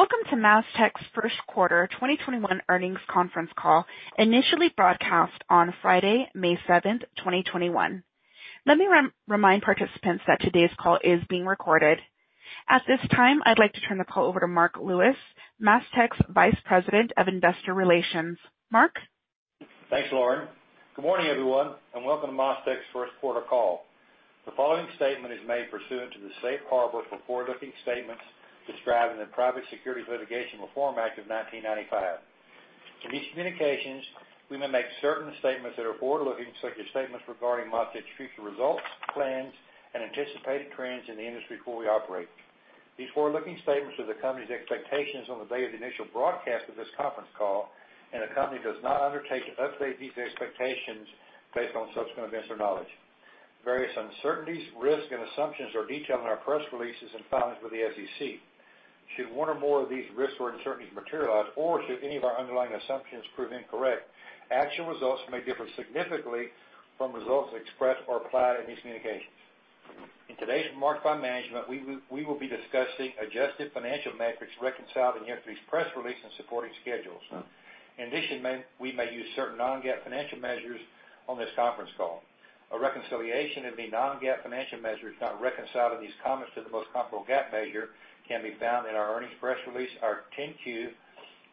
Welcome to MasTec's first quarter 2021 earnings conference call, initially broadcast on Friday, May 7, 2021. Let me remind participants that today's call is being recorded. At this time, I'd like to turn the call over to Marc Lewis, MasTec's Vice President of Investor Relations. Marc? Thanks, Lauren. Good morning, everyone, and welcome to MasTec's first quarter call. The following statement is made pursuant to the Safe Harbor for forward-looking statements described in the Private Securities Litigation Reform Act of 1995. In these communications, we may make certain statements that are forward-looking, such as statements regarding MasTec's future results, plans, and anticipated trends in the industry before we operate. These forward-looking statements are the company's expectations on the day of the initial broadcast of this conference call, and the company does not undertake to update these expectations based on subsequent events or knowledge. Various uncertainties, risks, and assumptions are detailed in our press releases and filings with the SEC. Should one or more of these risks or uncertainties materialize, or should any of our underlying assumptions prove incorrect, actual results may differ significantly from results expressed or implied in these communications. In today's remarks by management, we will be discussing adjusted financial metrics reconciled in yesterday's press release and supporting schedules. In addition, we may use certain non-GAAP financial measures on this conference call. A reconciliation of the non-GAAP financial measures not reconciled in these comments to the most comparable GAAP measure can be found in our earnings press release, our 10-Q,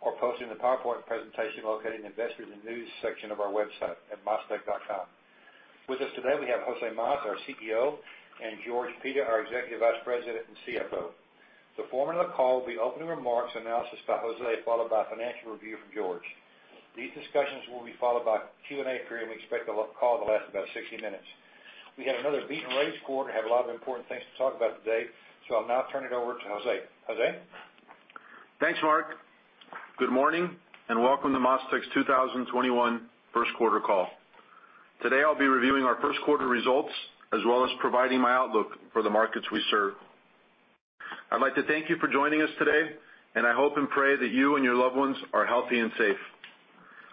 or posted in the PowerPoint presentation located in the Investors and News section of our website at mastec.com. With us today, we have Jose Mas, our CEO, and George Pita, our Executive Vice President and CFO. The format of the call will be opening remarks, analysis by Jose, followed by a financial review from George. These discussions will be followed by a Q&A period. We expect the call to last about 60 minutes. We had another beat and raise quarter, have a lot of important things to talk about today, so I'll now turn it over to Jose. Jose? Thanks, Marc. Good morning, and welcome to MasTec's 2021 first quarter call. Today, I'll be reviewing our first quarter results, as well as providing my outlook for the markets we serve. I'd like to thank you for joining us today, and I hope and pray that you and your loved ones are healthy and safe.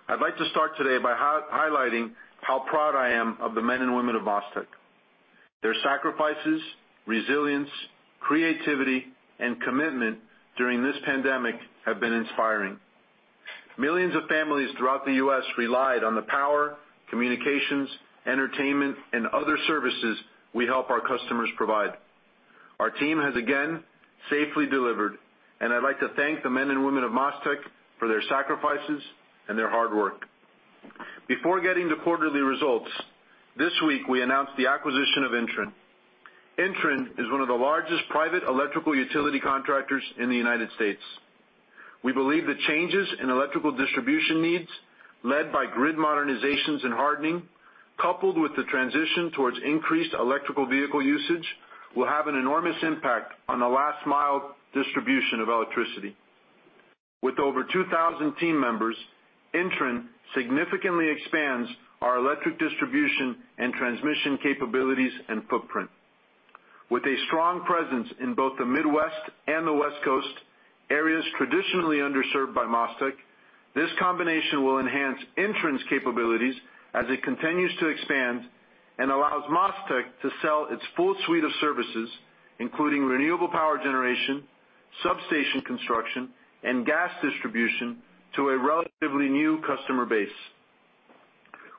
I'd like to start today by highlighting how proud I am of the men and women of MasTec. Their sacrifices, resilience, creativity, and commitment during this pandemic have been inspiring. Millions of families throughout the U.S. relied on the power, communications, entertainment, and other services we help our customers provide. Our team has again safely delivered, and I'd like to thank the men and women of MasTec for their sacrifices and their hard work. Before getting to quarterly results, this week we announced the acquisition of INTREN. INTREN is one of the largest private electrical utility contractors in the United States. We believe the changes in electrical distribution needs, led by grid modernizations and hardening, coupled with the transition towards increased electric vehicle usage, will have an enormous impact on the last mile distribution of electricity. With over 2,000 team members, INTREN significantly expands our electric distribution and transmission capabilities and footprint. With a strong presence in both the Midwest and the West Coast, areas traditionally underserved by MasTec, this combination will enhance INTREN's capabilities as it continues to expand and allows MasTec to sell its full suite of services, including renewable power generation, substation construction, and gas distribution, to a relatively new customer base.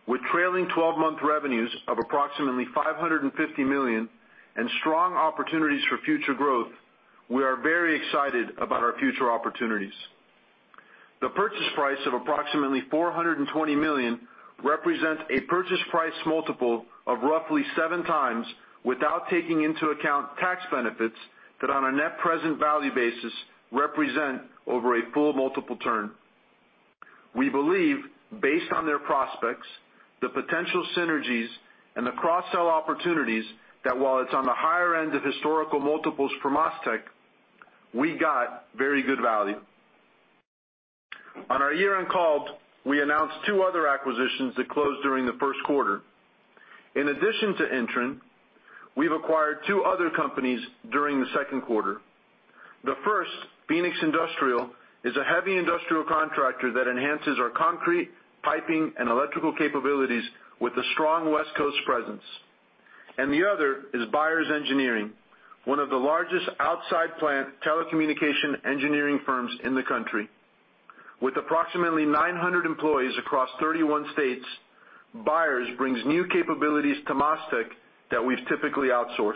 With trailing 12-month revenues of approximately $550 million and strong opportunities for future growth, we are very excited about our future opportunities. The purchase price of approximately $420 million represents a purchase price multiple of roughly seven times without taking into account tax benefits that on a net present value basis represent over a full multiple turn. We believe, based on their prospects, the potential synergies, and the cross-sell opportunities, that while it's on the higher end of historical multiples for MasTec, we got very good value. On our year-end call, we announced two other acquisitions that closed during the first quarter. In addition to INTREN, we've acquired two other companies during the second quarter. The first, Phoenix Industrial, is a heavy industrial contractor that enhances our concrete, piping, and electrical capabilities with a strong West Coast presence. The other is Byers Engineering, one of the largest outside plant telecommunication engineering firms in the country. With approximately 900 employees across 31 states, Byers brings new capabilities to MasTec that we've typically outsourced.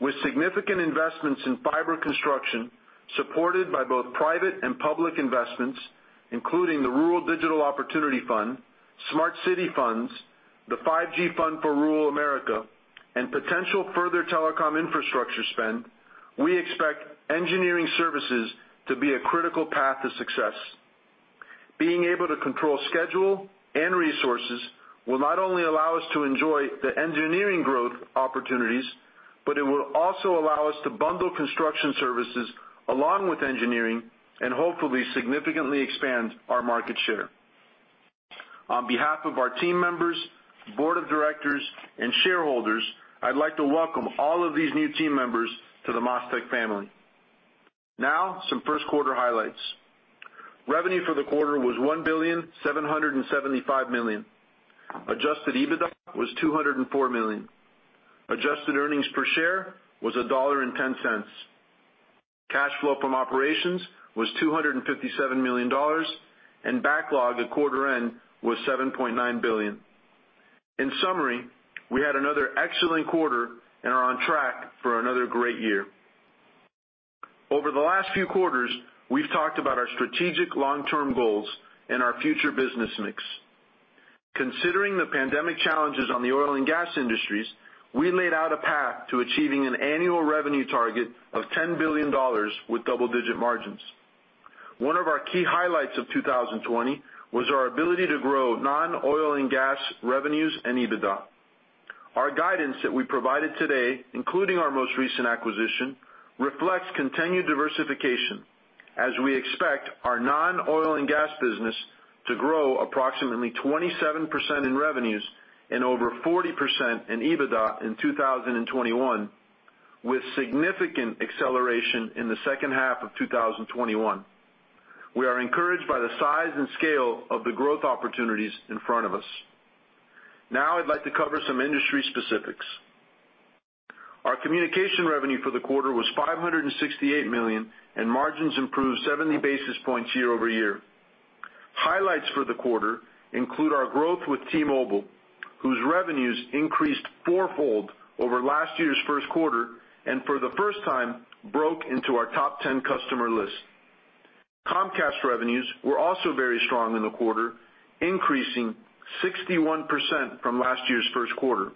With significant investments in fiber construction, supported by both private and public investments, including the Rural Digital Opportunity Fund, Smart City funds, the 5G Fund for Rural America, and potential further telecom infrastructure spend, we expect engineering services to be a critical path to success. Being able to control schedule and resources will not only allow us to enjoy the engineering growth opportunities, but it will also allow us to bundle construction services along with engineering and hopefully significantly expand our market share. On behalf of our team members, board of directors, and shareholders, I'd like to welcome all of these new team members to the MasTec family. Now, some first quarter highlights. Revenue for the quarter was $1.775 billion. Adjusted EBITDA was $204 million. Adjusted earnings per share was $1.10. Cash flow from operations was $257 million, and backlog at quarter end was $7.9 billion. In summary, we had another excellent quarter and are on track for another great year. Over the last few quarters, we've talked about our strategic long-term goals and our future business mix. Considering the pandemic challenges on the oil and gas industries, we laid out a path to achieving an annual revenue target of $10 billion with double-digit margins. One of our key highlights of 2020 was our ability to grow non-oil and gas revenues and EBITDA. Our guidance that we provided today, including our most recent acquisition, reflects continued diversification as we expect our non-oil and gas business to grow approximately 27% in revenues and over 40% in EBITDA in 2021, with significant acceleration in the second half of 2021. We are encouraged by the size and scale of the growth opportunities in front of us. Now I'd like to cover some industry specifics. Our communication revenue for the quarter was $568 million, and margins improved 70 basis points year-over-year. Highlights for the quarter include our growth with T-Mobile, whose revenues increased fourfold over last year's first quarter and for the first time broke into our top 10 customer list. Comcast revenues were also very strong in the quarter, increasing 61% from last year's first quarter.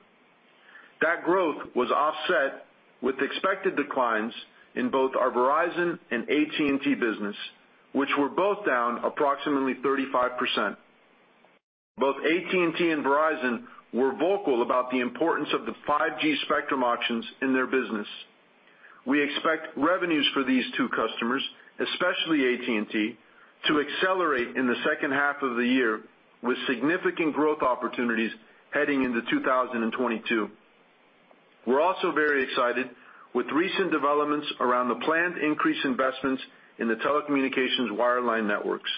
That growth was offset with expected declines in both our Verizon and AT&T business, which were both down approximately 35%. Both AT&T and Verizon were vocal about the importance of the 5G spectrum auctions in their business. We expect revenues for these two customers, especially AT&T, to accelerate in the second half of the year, with significant growth opportunities heading into 2022. We're also very excited with recent developments around the planned increase investments in the telecommunications wireline networks.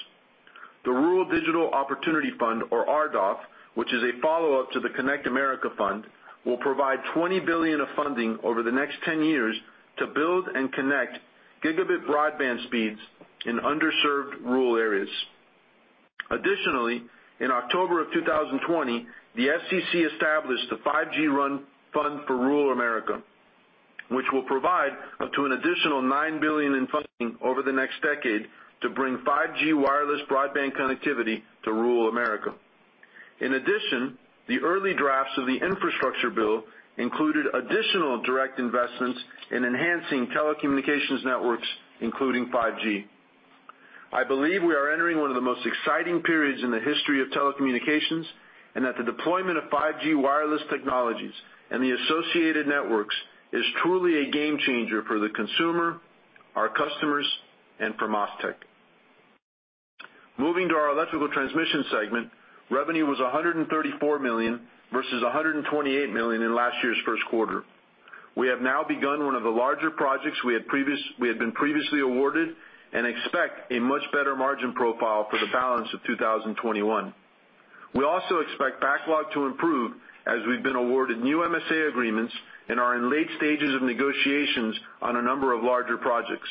The Rural Digital Opportunity Fund, or RDOF, which is a follow-up to the Connect America Fund, will provide $20 billion of funding over the next 10 years to build and connect gigabit broadband speeds in underserved rural areas. Additionally, in October of 2020, the FCC established the 5G Fund for Rural America, which will provide up to an additional $9 billion in funding over the next decade to bring 5G wireless broadband connectivity to rural America. In addition, the early drafts of the infrastructure bill included additional direct investments in enhancing telecommunications networks, including 5G. I believe we are entering one of the most exciting periods in the history of telecommunications, and that the deployment of 5G wireless technologies and the associated networks is truly a game changer for the consumer, our customers, and for MasTec. Moving to our Electrical Transmission segment, revenue was $134 million versus $128 million in last year's first quarter. We have now begun one of the larger projects we had been previously awarded and expect a much better margin profile for the balance of 2021. We also expect backlog to improve as we've been awarded new MSA agreements and are in late stages of negotiations on a number of larger projects.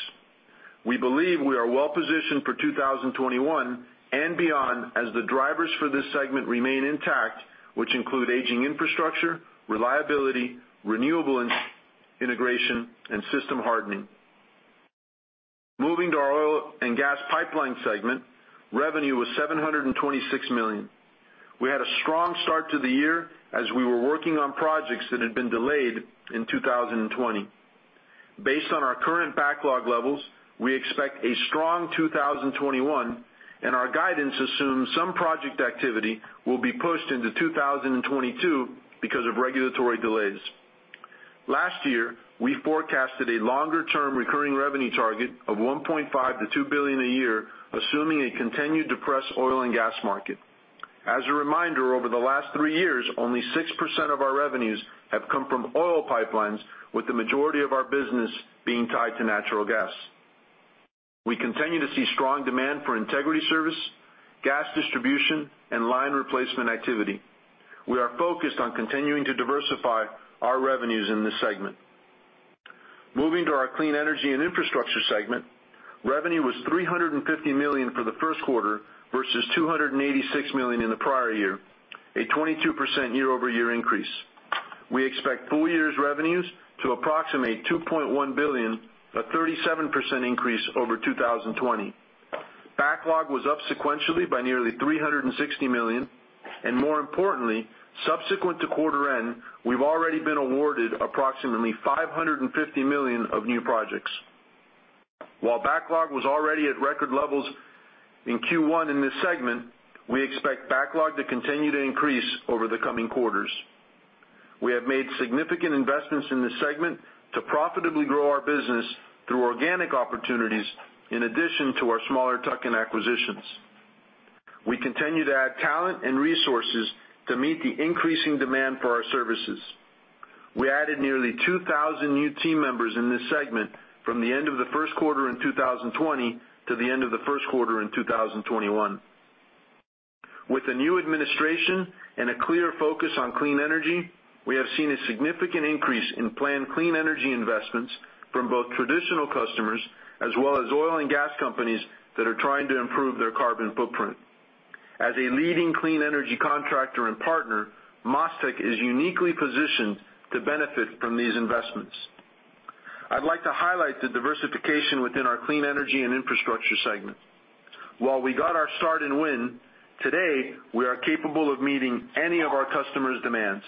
We believe we are well positioned for 2021 and beyond as the drivers for this segment remain intact, which include aging infrastructure, reliability, renewable integration, and system hardening. Moving to our Oil and Gas Pipeline segment, revenue was $726 million. We had a strong start to the year as we were working on projects that had been delayed in 2020. Based on our current backlog levels, we expect a strong 2021, and our guidance assumes some project activity will be pushed into 2022 because of regulatory delays. Last year, we forecasted a longer-term recurring revenue target of $1.5 billion-$2 billion a year, assuming a continued depressed oil and gas market. As a reminder, over the last three years, only 6% of our revenues have come from oil pipelines, with the majority of our business being tied to natural gas. We continue to see strong demand for integrity service, gas distribution, and line replacement activity. We are focused on continuing to diversify our revenues in this segment. Moving to our Clean Energy and Infrastructure segment, revenue was $350 million for the first quarter versus $286 million in the prior year, a 22% year-over-year increase. We expect full year's revenues to approximate $2.1 billion, a 37% increase over 2020. Backlog was up sequentially by nearly $360 million, and more importantly, subsequent to quarter end, we've already been awarded approximately $550 million of new projects. While backlog was already at record levels in Q1 in this segment, we expect backlog to continue to increase over the coming quarters. We have made significant investments in this segment to profitably grow our business through organic opportunities, in addition to our smaller tuck-in acquisitions. We continue to add talent and resources to meet the increasing demand for our services. We added nearly 2,000 new team members in this segment from the end of the first quarter in 2020 to the end of the first quarter in 2021. With a new administration and a clear focus on clean energy, we have seen a significant increase in planned clean energy investments from both traditional customers as well as oil and gas companies that are trying to improve their carbon footprint. As a leading clean energy contractor and partner, MasTec is uniquely positioned to benefit from these investments. I'd like to highlight the diversification within our clean energy and infrastructure segment. While we got our start in wind, today, we are capable of meeting any of our customers' demands.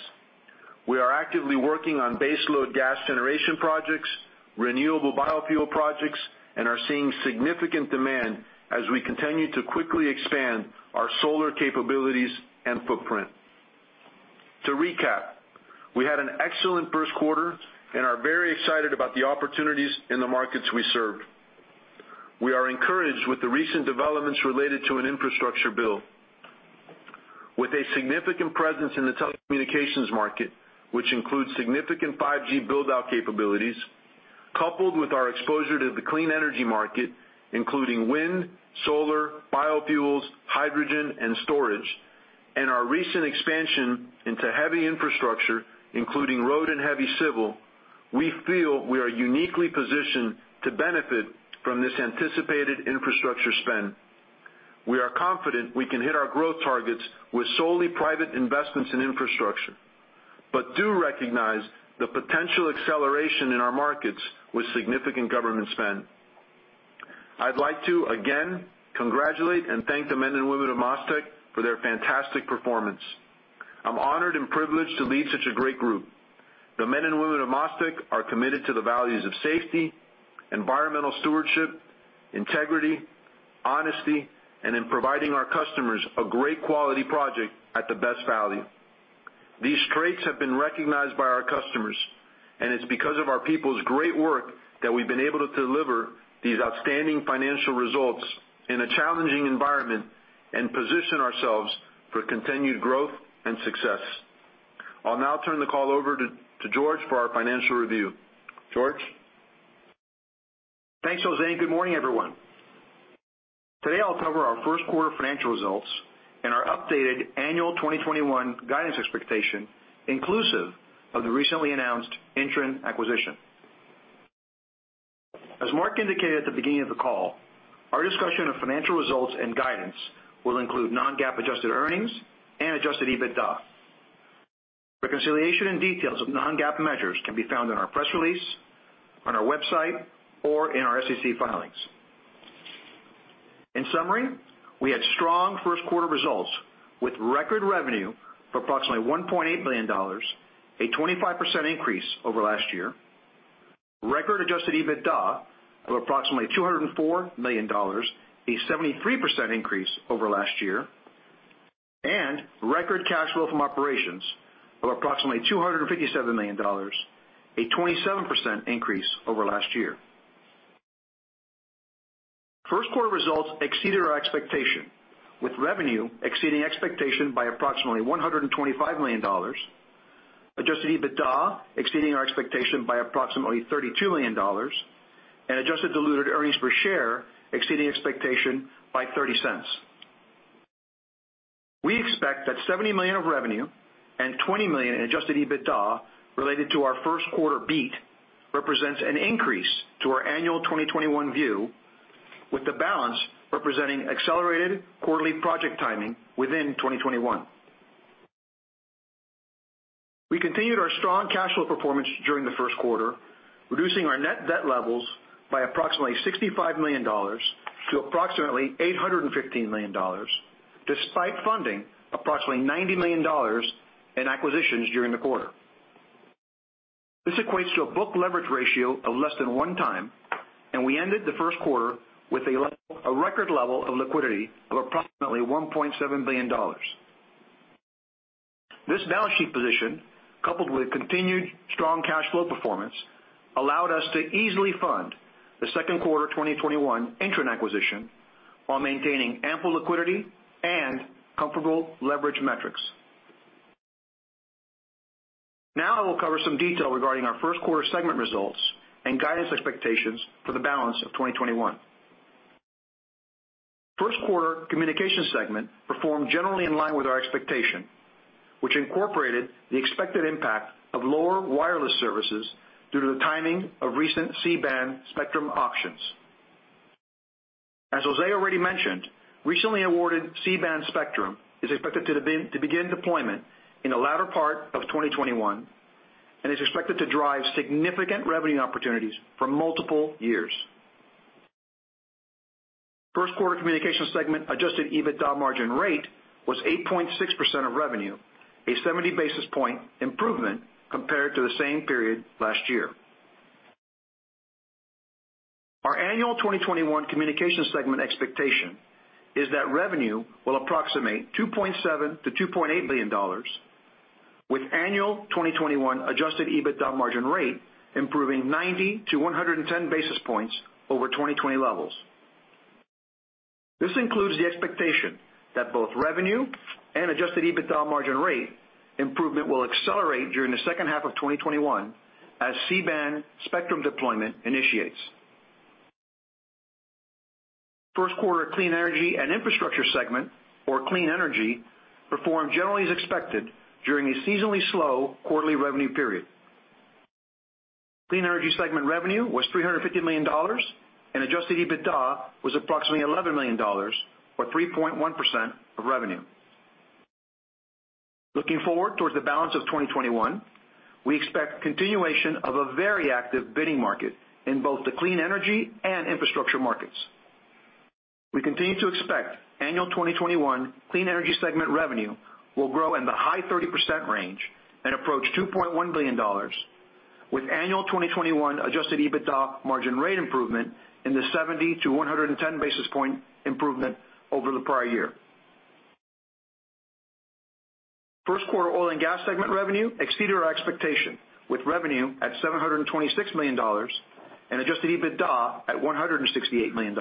We are actively working on baseload gas generation projects, renewable biofuel projects, and are seeing significant demand as we continue to quickly expand our solar capabilities and footprint. To recap, we had an excellent first quarter and are very excited about the opportunities in the markets we serve. We are encouraged with the recent developments related to an infrastructure bill. With a significant presence in the telecommunications market, which includes significant 5G build-out capabilities, coupled with our exposure to the clean energy market, including wind, solar, biofuels, hydrogen, and storage, and our recent expansion into heavy infrastructure, including road and heavy civil, we feel we are uniquely positioned to benefit from this anticipated infrastructure spend. We are confident we can hit our growth targets with solely private investments in infrastructure, but do recognize the potential acceleration in our markets with significant government spend. I'd like to, again, congratulate and thank the men and women of MasTec for their fantastic performance. I'm honored and privileged to lead such a great group. The men and women of MasTec are committed to the values of safety, environmental stewardship, integrity, honesty, and in providing our customers a great quality project at the best value. These traits have been recognized by our customers, and it's because of our people's great work that we've been able to deliver these outstanding financial results in a challenging environment and position ourselves for continued growth and success. I'll now turn the call over to George for our financial review. George? Thanks, Jose Mas. Good morning, everyone. Today, I'll cover our first quarter financial results and our updated annual 2021 guidance expectation, inclusive of the recently announced INTREN acquisition. As Marc Lewis indicated at the beginning of the call, our discussion of financial results and guidance will include non-GAAP adjusted earnings and adjusted EBITDA. Reconciliation and details of non-GAAP measures can be found in our press release, on our website, or in our SEC filings. In summary, we had strong first quarter results with record revenue of approximately $1.8 billion, a 25% increase over last year, record adjusted EBITDA of approximately $204 million, a 73% increase over last year, and record cash flow from operations of approximately $257 million, a 27% increase over last year. First quarter results exceeded our expectation, with revenue exceeding expectation by approximately $125 million, adjusted EBITDA exceeding our expectation by approximately $32 million, and adjusted diluted earnings per share exceeding expectation by $0.30. We expect that $70 million of revenue and $20 million in adjusted EBITDA related to our first quarter beat represents an increase to our annual 2021 view, with the balance representing accelerated quarterly project timing within 2021. We continued our strong cash flow performance during the first quarter, reducing our net debt levels by approximately $65 million to approximately $815 million, despite funding approximately $90 million in acquisitions during the quarter. This equates to a book leverage ratio of less than one time, and we ended the first quarter with a record level of liquidity of approximately $1.7 billion. This balance sheet position, coupled with continued strong cash flow performance, allowed us to easily fund the second quarter 2021 INTREN acquisition while maintaining ample liquidity and comfortable leverage metrics. Now I will cover some detail regarding our first quarter segment results and guidance expectations for the balance of 2021. First quarter communication segment performed generally in line with our expectation, which incorporated the expected impact of lower wireless services due to the timing of recent C-band spectrum auctions. As Jose already mentioned, recently awarded C-band spectrum is expected to begin deployment in the latter part of 2021, and is expected to drive significant revenue opportunities for multiple years. First quarter communication segment adjusted EBITDA margin rate was 8.6% of revenue, a 70-basis point improvement compared to the same period last year. Our annual 2021 communication segment expectation is that revenue will approximate $2.7 billion-$2.8 billion. With annual 2021 adjusted EBITDA margin rate improving 90-110 basis points over 2020 levels. This includes the expectation that both revenue and adjusted EBITDA margin rate improvement will accelerate during the second half of 2021 as C-band spectrum deployment initiates. First quarter clean energy and infrastructure segment, or clean energy, performed generally as expected during a seasonally slow quarterly revenue period. Clean energy segment revenue was $350 million, and adjusted EBITDA was approximately $11 million, or 3.1% of revenue. Looking forward towards the balance of 2021, we expect continuation of a very active bidding market in both the clean energy and infrastructure markets. We continue to expect annual 2021 clean energy segment revenue will grow in the high 30% range and approach $2.1 billion, with annual 2021 adjusted EBITDA margin rate improvement in the 70 to 110 basis point improvement over the prior year. First quarter oil and gas segment revenue exceeded our expectation, with revenue at $726 million and adjusted EBITDA at $168 million.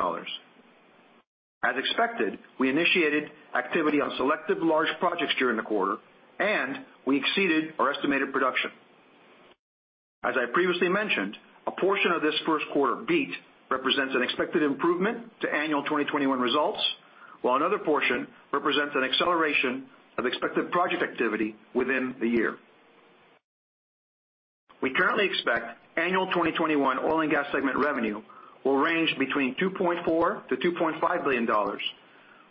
As expected, we initiated activity on selective large projects during the quarter, and we exceeded our estimated production. As I previously mentioned, a portion of this first quarter beat represents an expected improvement to annual 2021 results, while another portion represents an acceleration of expected project activity within the year. We currently expect annual 2021 oil and gas segment revenue will range between $2.4- $2.5 billion,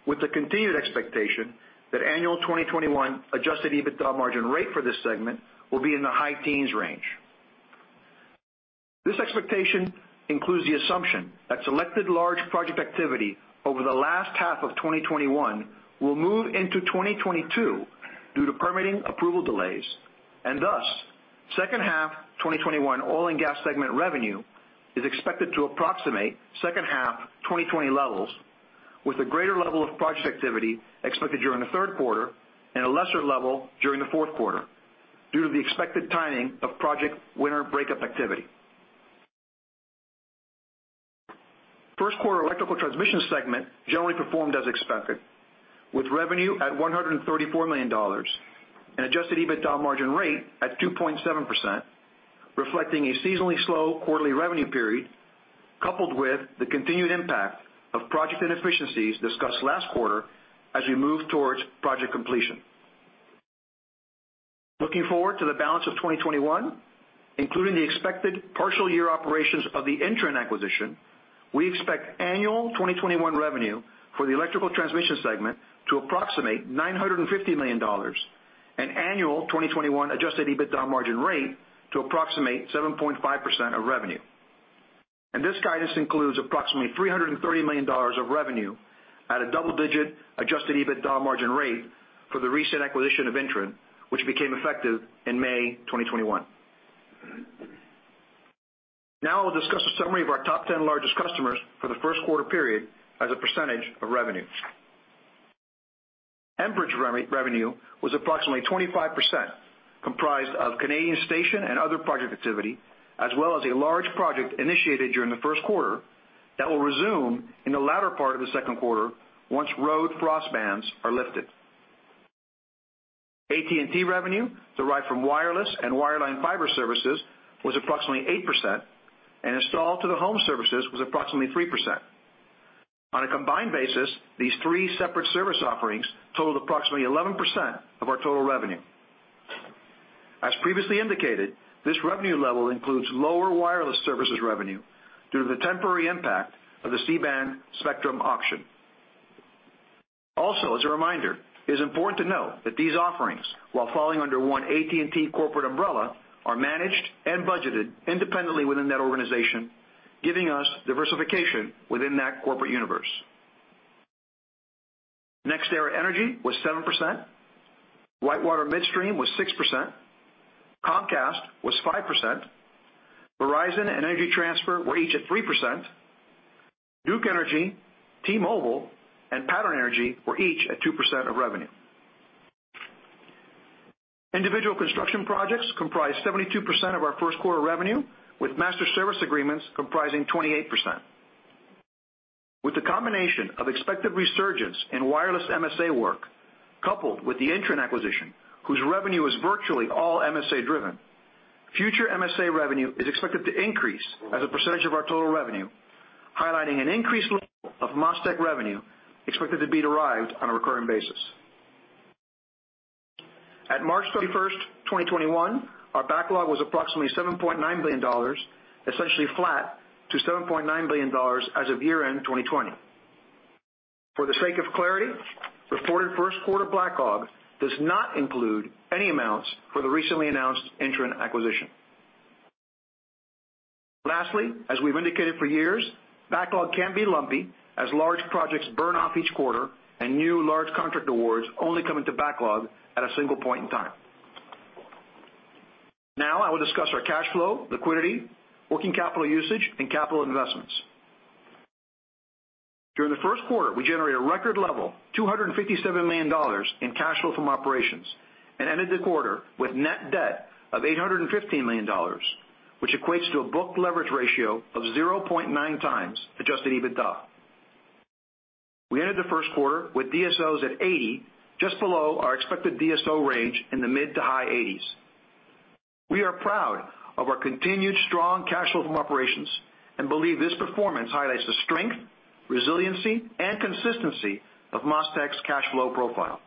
with the continued expectation that annual 2021 adjusted EBITDA margin rate for this segment will be in the high teens range. This expectation includes the assumption that selected large project activity over the last half of 2021 will move into 2022 due to permitting approval delays, and thus, second half 2021 oil and gas segment revenue is expected to approximate second half 2020 levels, with a greater level of project activity expected during the third quarter and a lesser level during the fourth quarter due to the expected timing of project winter breakup activity. First quarter electrical transmission segment generally performed as expected, with revenue at $134 million and adjusted EBITDA margin rate at 2.7%, reflecting a seasonally slow quarterly revenue period, coupled with the continued impact of project inefficiencies discussed last quarter as we move towards project completion. Looking forward to the balance of 2021, including the expected partial year operations of the INTREN acquisition, we expect annual 2021 revenue for the electrical transmission segment to approximate $950 million and annual 2021 adjusted EBITDA margin rate to approximate 7.5% of revenue. This guidance includes approximately $330 million of revenue at a double-digit adjusted EBITDA margin rate for the recent acquisition of Intren, which became effective in May 2021. Now I'll discuss a summary of our top 10 largest customers for the first quarter period as a percentage of revenue. Enbridge revenue was approximately 25%, comprised of Canadian station and other project activity, as well as a large project initiated during the first quarter that will resume in the latter part of the second quarter once road frost bans are lifted. AT&T revenue, derived from wireless and wireline fiber services, was approximately 8%, and install to the home services was approximately 3%. On a combined basis, these three separate service offerings totaled approximately 11% of our total revenue. As previously indicated, this revenue level includes lower wireless services revenue due to the temporary impact of the C-band spectrum auction. Also, as a reminder, it is important to note that these offerings, while falling under one AT&T corporate umbrella, are managed and budgeted independently within that organization, giving us diversification within that corporate universe. NextEra Energy was 7%. WhiteWater Midstream was 6%. Comcast was 5%. Verizon and Energy Transfer were each at 3%. Duke Energy, T-Mobile, and Pattern Energy were each at 2% of revenue. Individual construction projects comprised 72% of our first quarter revenue, with master service agreements comprising 28%. With the combination of expected resurgence in wireless MSA work, coupled with the INTREN acquisition, whose revenue is virtually all MSA-driven, future MSA revenue is expected to increase as a percentage of our total revenue, highlighting an increased level of MasTec revenue expected to be derived on a recurring basis. At March 31st, 2021, our backlog was approximately $7.9 billion, essentially flat to $7.9 billion as of year-end 2020. For the sake of clarity, reported first quarter backlog does not include any amounts for the recently announced INTREN acquisition. Lastly, as we've indicated for years, backlog can be lumpy as large projects burn off each quarter and new large contract awards only come into backlog at a single point in time. Now I will discuss our cash flow, liquidity, working capital usage, and capital investments. During the first quarter, we generated a record level, $257 million in cash flow from operations, and ended the quarter with net debt of $815 million, which equates to a book leverage ratio of 0.9x adjusted EBITDA. We ended the first quarter with DSOs at 80, just below our expected DSO range in the mid to high 80s. We are proud of our continued strong cash flow from operations and believe this performance highlights the strength, resiliency, and consistency of MasTec's cash flow profile.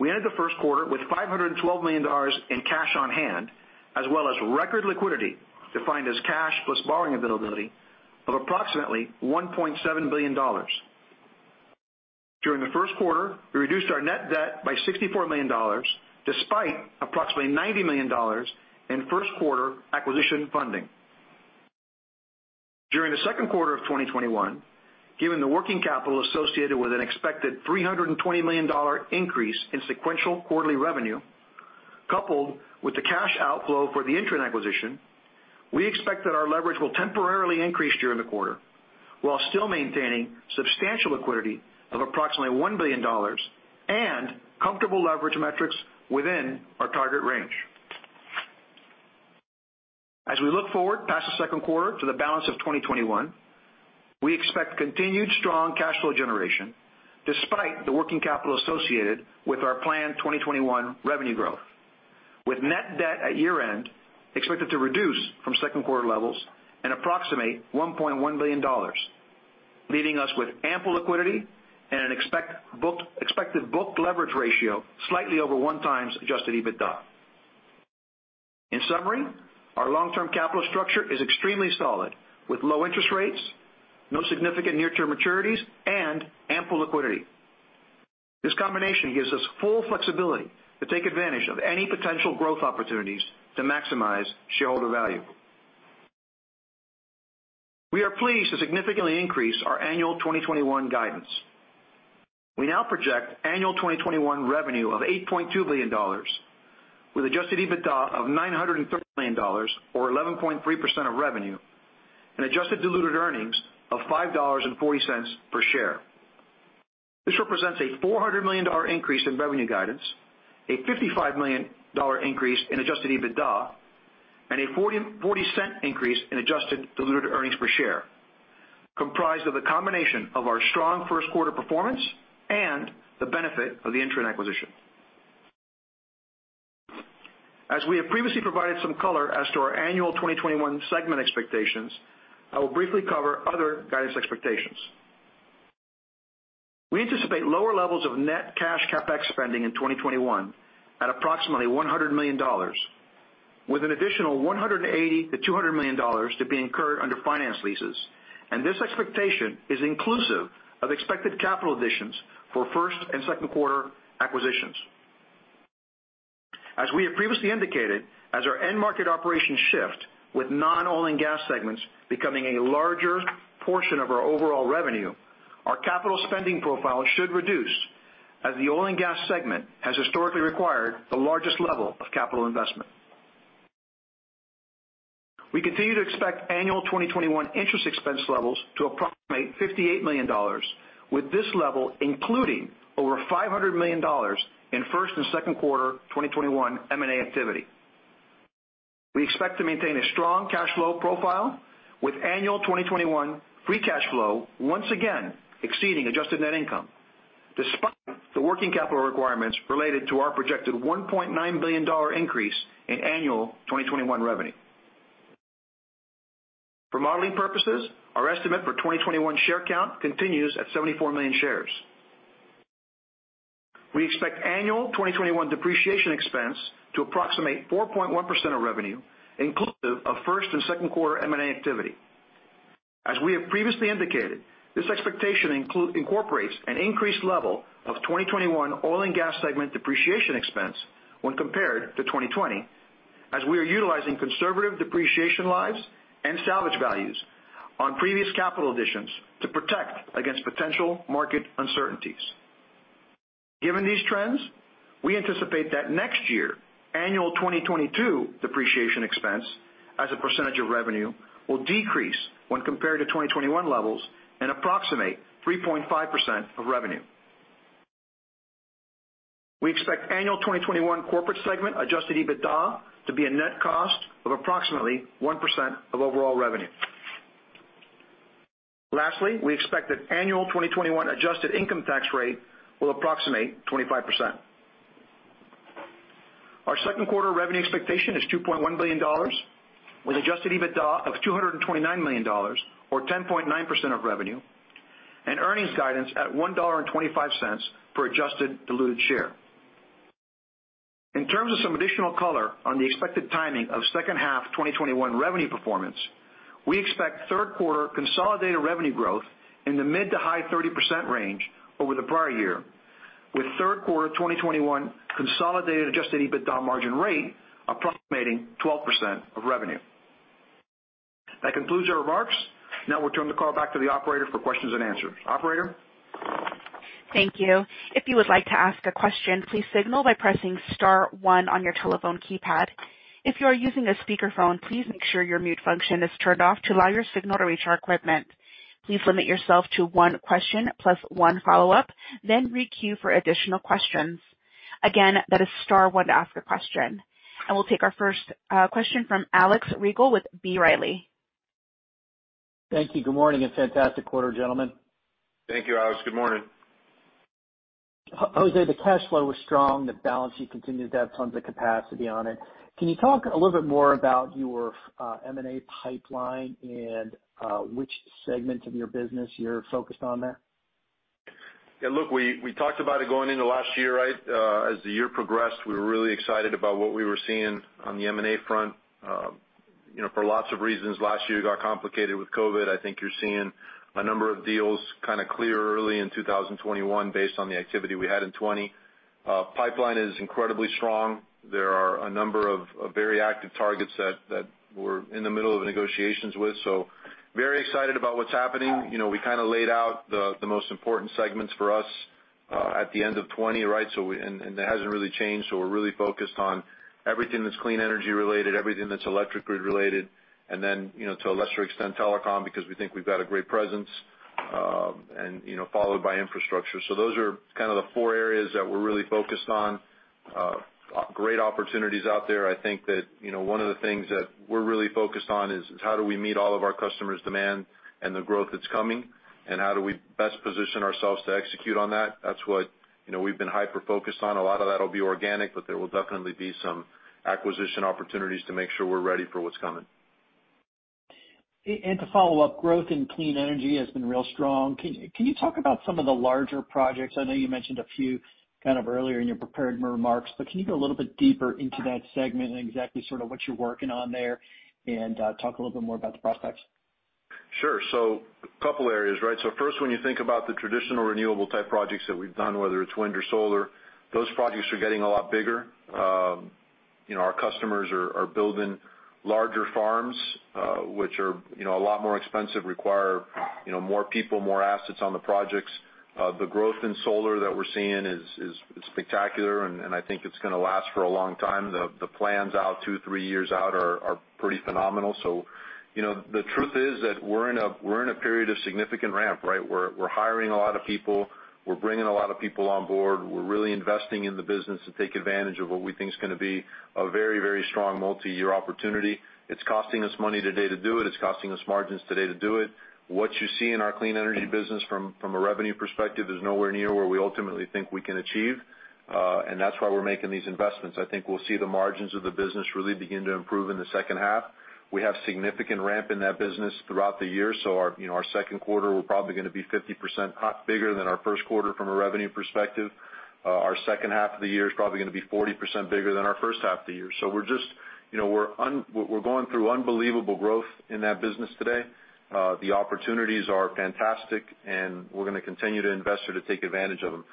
We ended the first quarter with $512 million in cash on hand, as well as record liquidity, defined as cash plus borrowing availability, of approximately $1.7 billion. During the first quarter, we reduced our net debt by $64 million, despite approximately $90 million in first quarter acquisition funding. During the second quarter of 2021, given the working capital associated with an expected $320 million increase in sequential quarterly revenue, coupled with the cash outflow for the INTREN acquisition, we expect that our leverage will temporarily increase during the quarter while still maintaining substantial liquidity of approximately $1 billion and comfortable leverage metrics within our target range. As we look forward past the second quarter to the balance of 2021, we expect continued strong cash flow generation despite the working capital associated with our planned 2021 revenue growth. With net debt at year-end expected to reduce from second quarter levels and approximate $1.1 billion, leaving us with ample liquidity and an expected book leverage ratio slightly over one times adjusted EBITDA. In summary, our long-term capital structure is extremely solid with low interest rates, no significant near-term maturities, and ample liquidity. This combination gives us full flexibility to take advantage of any potential growth opportunities to maximize shareholder value. We are pleased to significantly increase our annual 2021 guidance. We now project annual 2021 revenue of $8.2 billion, with adjusted EBITDA of $903 million or 11.3% of revenue and adjusted diluted earnings of $5.40 per share. This represents a $400 million increase in revenue guidance, a $55 million increase in adjusted EBITDA, and a $0.40 increase in adjusted diluted earnings per share, comprised of the combination of our strong first quarter performance and the benefit of the INTREN acquisition. As we have previously provided some color as to our annual 2021 segment expectations, I will briefly cover other guidance expectations. We anticipate lower levels of net cash CapEx spending in 2021 at approximately $100 million, with an additional $180 million-$200 million to be incurred under finance leases. This expectation is inclusive of expected capital additions for first and second quarter acquisitions. As we have previously indicated, as our end market operations shift with non-oil and gas segments becoming a larger portion of our overall revenue, our capital spending profile should reduce, as the oil and gas segment has historically required the largest level of capital investment. We continue to expect annual 2021 interest expense levels to approximate $58 million, with this level including over $500 million in first and second quarter 2021 M&A activity. We expect to maintain a strong cash flow profile with annual 2021 free cash flow once again exceeding adjusted net income, despite the working capital requirements related to our projected $1.9 billion increase in annual 2021 revenue. For modeling purposes, our estimate for 2021 share count continues at 74 million shares. We expect annual 2021 depreciation expense to approximate 4.1% of revenue, inclusive of first and second quarter M&A activity. As we have previously indicated, this expectation incorporates an increased level of 2021 oil and gas segment depreciation expense when compared to 2020, as we are utilizing conservative depreciation lives and salvage values on previous capital additions to protect against potential market uncertainties. Given these trends, we anticipate that next year, annual 2022 depreciation expense as a percentage of revenue will decrease when compared to 2021 levels and approximate 3.5% of revenue. We expect annual 2021 corporate segment adjusted EBITDA to be a net cost of approximately 1% of overall revenue. Lastly, we expect that annual 2021 adjusted income tax rate will approximate 25%. Our second quarter revenue expectation is $2.1 billion with adjusted EBITDA of $229 million or 10.9% of revenue and earnings guidance at $1.25 per adjusted diluted share. In terms of some additional color on the expected timing of second half 2021 revenue performance, we expect third quarter consolidated revenue growth in the mid to high 30% range over the prior year, with third quarter 2021 consolidated adjusted EBITDA margin rate approximating 12% of revenue. That concludes our remarks. Now we'll turn the call back to the operator for questions and answers. Operator? Thank you. If you would like to ask a question, please signal by pressing star one on your telephone keypad. If you are using a speakerphone, please make sure your mute function is turned off to allow your signal to reach our equipment. Please limit yourself to one question plus one follow-up, then re-queue for additional questions. Again, that is star one to ask a question. We'll take our first question from Alex Rygiel with B. Riley. Thank you. Good morning and fantastic quarter, gentlemen. Thank you, Alex. Good morning. Jose, the cash flow was strong, the balance sheet continues to have tons of capacity on it. Can you talk a little bit more about your M&A pipeline and which segment of your business you're focused on there? Yeah, look, we talked about it going into last year, right? As the year progressed, we were really excited about what we were seeing on the M&A front. For lots of reasons, last year got complicated with COVID. I think you're seeing a number of deals kind of clear early in 2021 based on the activity we had in 2020. Pipeline is incredibly strong. There are a number of very active targets that we're in the middle of negotiations with. Very excited about what's happening. We kind of laid out the most important segments for us, at the end of 2020, right? That hasn't really changed. We're really focused on everything that's clean energy related, everything that's electric grid related, and then, to a lesser extent, telecom, because we think we've got a great presence, and followed by infrastructure. Those are kind of the four areas that we're really focused on. Great opportunities out there. I think that one of the things that we're really focused on is how do we meet all of our customers' demand and the growth that's coming, and how do we best position ourselves to execute on that? That's what we've been hyper-focused on. A lot of that'll be organic, but there will definitely be some acquisition opportunities to make sure we're ready for what's coming. To follow up, growth in clean energy has been real strong. Can you talk about some of the larger projects? I know you mentioned a few kind of earlier in your prepared remarks, but can you go a little bit deeper into that segment and exactly sort of what you're working on there and talk a little bit more about the prospects? Sure. A couple areas, right? First, when you think about the traditional renewable type projects that we've done, whether it's wind or solar, those projects are getting a lot bigger. Our customers are building larger farms, which are a lot more expensive, require more people, more assets on the projects. The growth in solar that we're seeing is spectacular, and I think it's gonna last for a long time. The plans out two, three years out are pretty phenomenal. The truth is that we're in a period of significant ramp, right? We're hiring a lot of people. We're bringing a lot of people on board. We're really investing in the business to take advantage of what we think is gonna be a very, very strong multi-year opportunity. It's costing us money today to do it. It's costing us margins today to do it. What you see in our clean energy business from a revenue perspective is nowhere near where we ultimately think we can achieve. That's why we're making these investments. I think we'll see the margins of the business really begin to improve in the second half. We have significant ramp in that business throughout the year. Our second quarter, we're probably gonna be 50% bigger than our first quarter from a revenue perspective. Our second half of the year is probably gonna be 40% bigger than our first half of the year. We're going through unbelievable growth in that business today. The opportunities are fantastic, and we're gonna continue to invest to take advantage of them.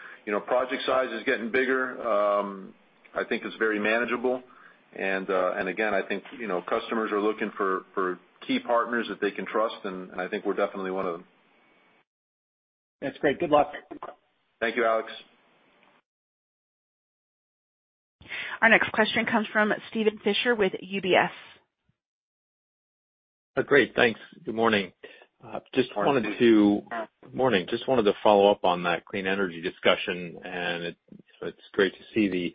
Project size is getting bigger. I think it's very manageable, and again, I think customers are looking for key partners that they can trust, and I think we're definitely one of them. That's great. Good luck. Thank you, Alex. Our next question comes from Steven Fisher with UBS. Great. Thanks. Good morning. Morning. Morning. Just wanted to follow up on that clean energy discussion, and it's great to see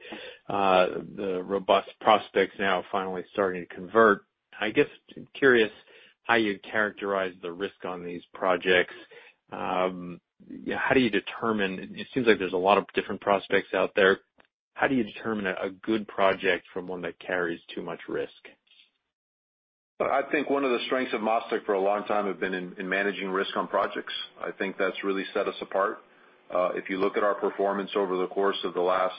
the robust prospects now finally starting to convert. I guess curious how you'd characterize the risk on these projects. It seems like there's a lot of different prospects out there. How do you determine a good project from one that carries too much risk? I think one of the strengths of MasTec for a long time has been in managing risk on projects. I think that's really set us apart. If you look at our performance over the course of the last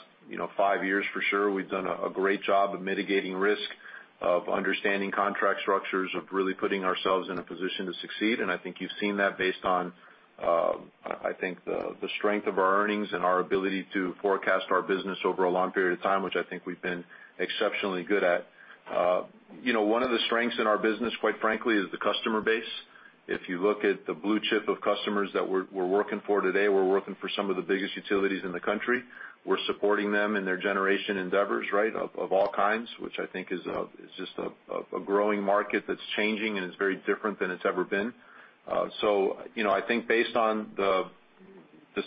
five years, for sure, we've done a great job of mitigating risk, of understanding contract structures, of really putting ourselves in a position to succeed. I think you've seen that based on, I think the strength of our earnings and our ability to forecast our business over a long period of time, which I think we've been exceptionally good at. One of the strengths in our business, quite frankly, is the customer base. If you look at the blue chip of customers that we're working for today, we're working for some of the biggest utilities in the country. We're supporting them in their generation endeavors, right, of all kinds, which I think is just a growing market that's changing, and it's very different than it's ever been. I think based on the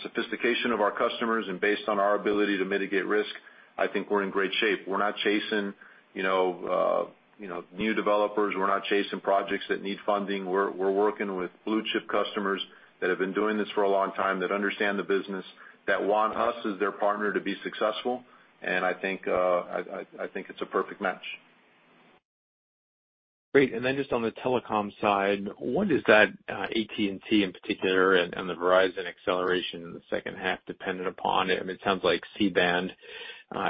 sophistication of our customers and based on our ability to mitigate risk, I think we're in great shape. We're not chasing new developers. We're not chasing projects that need funding. We're working with blue-chip customers that have been doing this for a long time, that understand the business, that want us as their partner to be successful, and I think it's a perfect match. Great. just on the telecom side, what is that AT&T in particular and the Verizon acceleration in the second half dependent upon? I mean, it sounds like C-band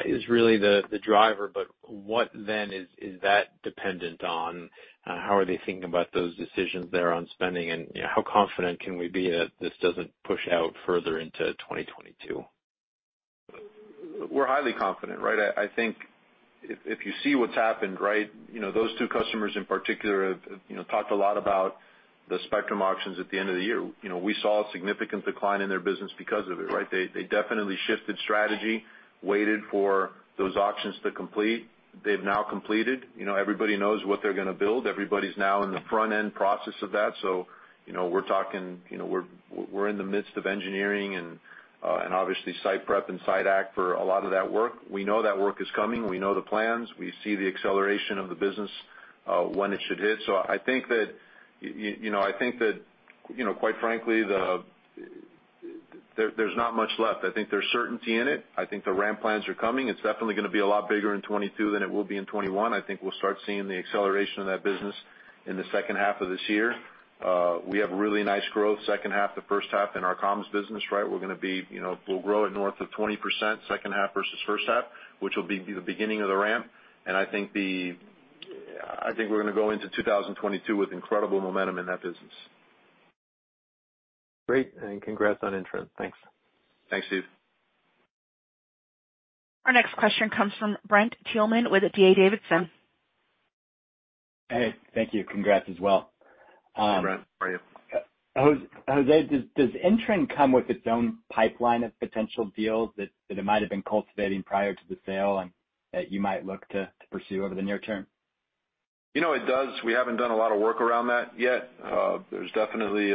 is really the driver, but what then is that dependent on? How are they thinking about those decisions there on spending, and how confident can we be that this doesn't push out further into 2022? We're highly confident. I think if you see what's happened, those two customers in particular have talked a lot about the spectrum auctions at the end of the year. We saw a significant decline in their business because of it. They definitely shifted strategy, waited for those auctions to complete. They've now completed. Everybody knows what they're going to build. Everybody's now in the front-end process of that. We're in the midst of engineering and obviously site prep and site act for a lot of that work. We know that work is coming. We know the plans. We see the acceleration of the business, when it should hit. I think that, quite frankly, there's not much left. I think there's certainty in it. I think the ramp plans are coming. It's definitely going to be a lot bigger in 2022 than it will be in 2021. I think we'll start seeing the acceleration of that business in the second half of this year. We have really nice growth second half to first half in our comms business. We'll grow it north of 20% second half versus first half, which will be the beginning of the ramp, and I think we're going to go into 2022 with incredible momentum in that business. Great, and congrats on INTREN. Thanks. Thanks, Steve. Our next question comes from Brent Thielman with D.A. Davidson. Hey, thank you. Congrats as well. Brent, how are you? Jose Mas, does INTREN come with its own pipeline of potential deals that it might've been cultivating prior to the sale and that you might look to pursue over the near term? It does. We haven't done a lot of work around that yet. There's definitely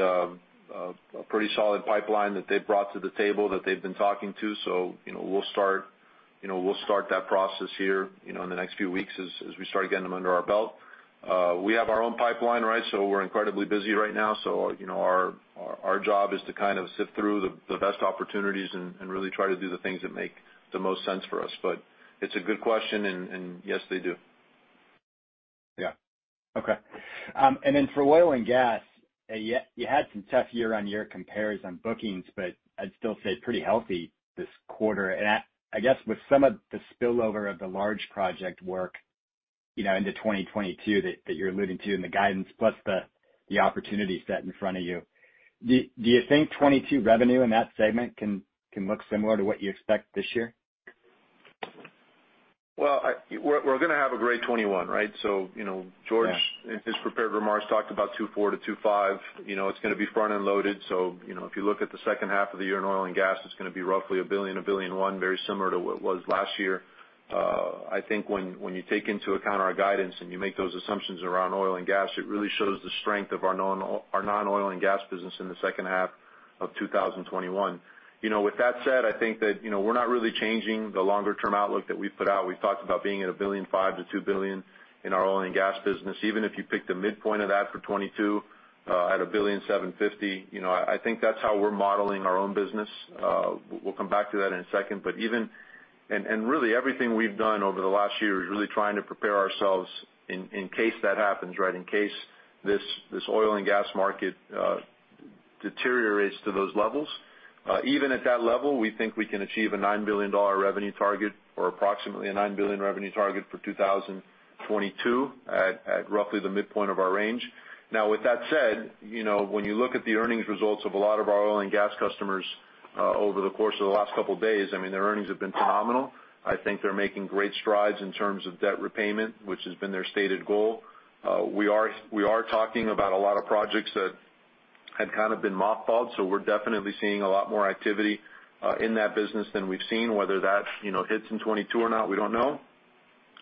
a pretty solid pipeline that they've brought to the table that they've been talking to, so we'll start that process here in the next few weeks as we start getting them under our belt. We have our own pipeline, so we're incredibly busy right now. Our job is to kind of sift through the best opportunities and really try to do the things that make the most sense for us. It's a good question, and yes, they do. Yeah. Okay. for oil and gas, you had some tough year-on-year compares on bookings, but I'd still say pretty healthy this quarter. I guess with some of the spillover of the large project work into 2022 that you're alluding to in the guidance, plus the opportunity set in front of you, do you think 2022 revenue in that segment can look similar to what you expect this year? Well, we're gonna have a great 2021. George- Yeah In his prepared remarks, talked about $2.4 to $2.5. It's gonna be front-end loaded, so if you look at the second half of the year in oil and gas, it's gonna be roughly 1 billion, 1.1 billion, very similar to what it was last year. I think when you take into account our guidance and you make those assumptions around oil and gas, it really shows the strength of our non-oil and gas business in the second half of 2021. With that said, I think that we're not really changing the longer-term outlook that we've put out. We've talked about being at 1.5 billion to 2 billion in our oil and gas business. Even if you pick the midpoint of that for 2022 at 1.75 billion, I think that's how we're modeling our own business. We'll come back to that in a second. Really everything we've done over the last year is really trying to prepare ourselves in case that happens. In case this oil and gas market deteriorates to those levels. Even at that level, we think we can achieve a $9 billion revenue target or approximately a $9 billion revenue target for 2022 at roughly the midpoint of our range. Now with that said, when you look at the earnings results of a lot of our oil and gas customers over the course of the last couple of days, their earnings have been phenomenal. I think they're making great strides in terms of debt repayment, which has been their stated goal. We are talking about a lot of projects that had kind of been mothballed, so we're definitely seeing a lot more activity in that business than we've seen. Whether that hits in 2022 or not, we don't know.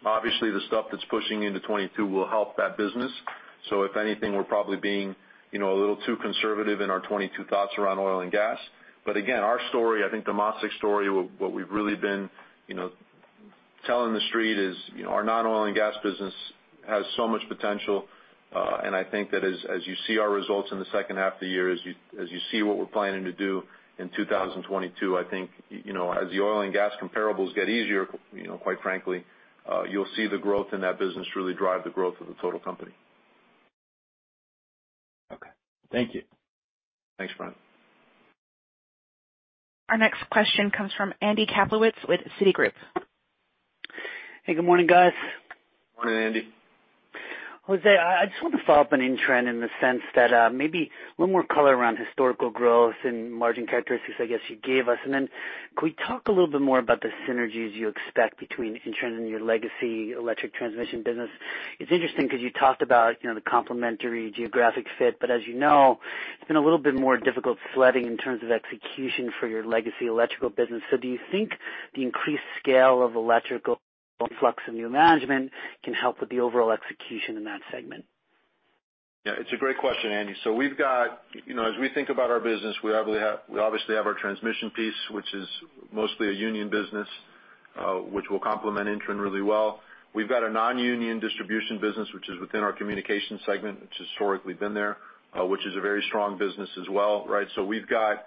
Obviously, the stuff that's pushing into 2022 will help that business. If anything, we're probably being a little too conservative in our 2022 thoughts around oil and gas. Again, our story, I think the MasTec story, what we've really been telling the street is our non-oil and gas business has so much potential, and I think that as you see our results in the second half of the year, as you see what we're planning to do in 2022, I think as the oil and gas comparables get easier, quite frankly, you'll see the growth in that business really drive the growth of the total company. Okay. Thank you. Thanks, Brent. Our next question comes from Andy Kaplowitz with Citigroup. Hey, good morning, guys. Morning, Andy. Jose, I just wanted to follow up on INTREN in the sense that maybe a little more color around historical growth and margin characteristics, I guess you gave us, and then could we talk a little bit more about the synergies you expect between INTREN and your legacy electric transmission business? It's interesting because you talked about the complementary geographic fit, but as you know, it's been a little bit more difficult sledding in terms of execution for your legacy electrical business. Do you think the increased scale of electrical influx and new management can help with the overall execution in that segment? Yeah, it's a great question, Andy. As we think about our business, we obviously have our transmission piece, which is mostly a union business, which will complement INTREN really well. We've got a non-union distribution business, which is within our communication segment, which historically been there, which is a very strong business as well. We've got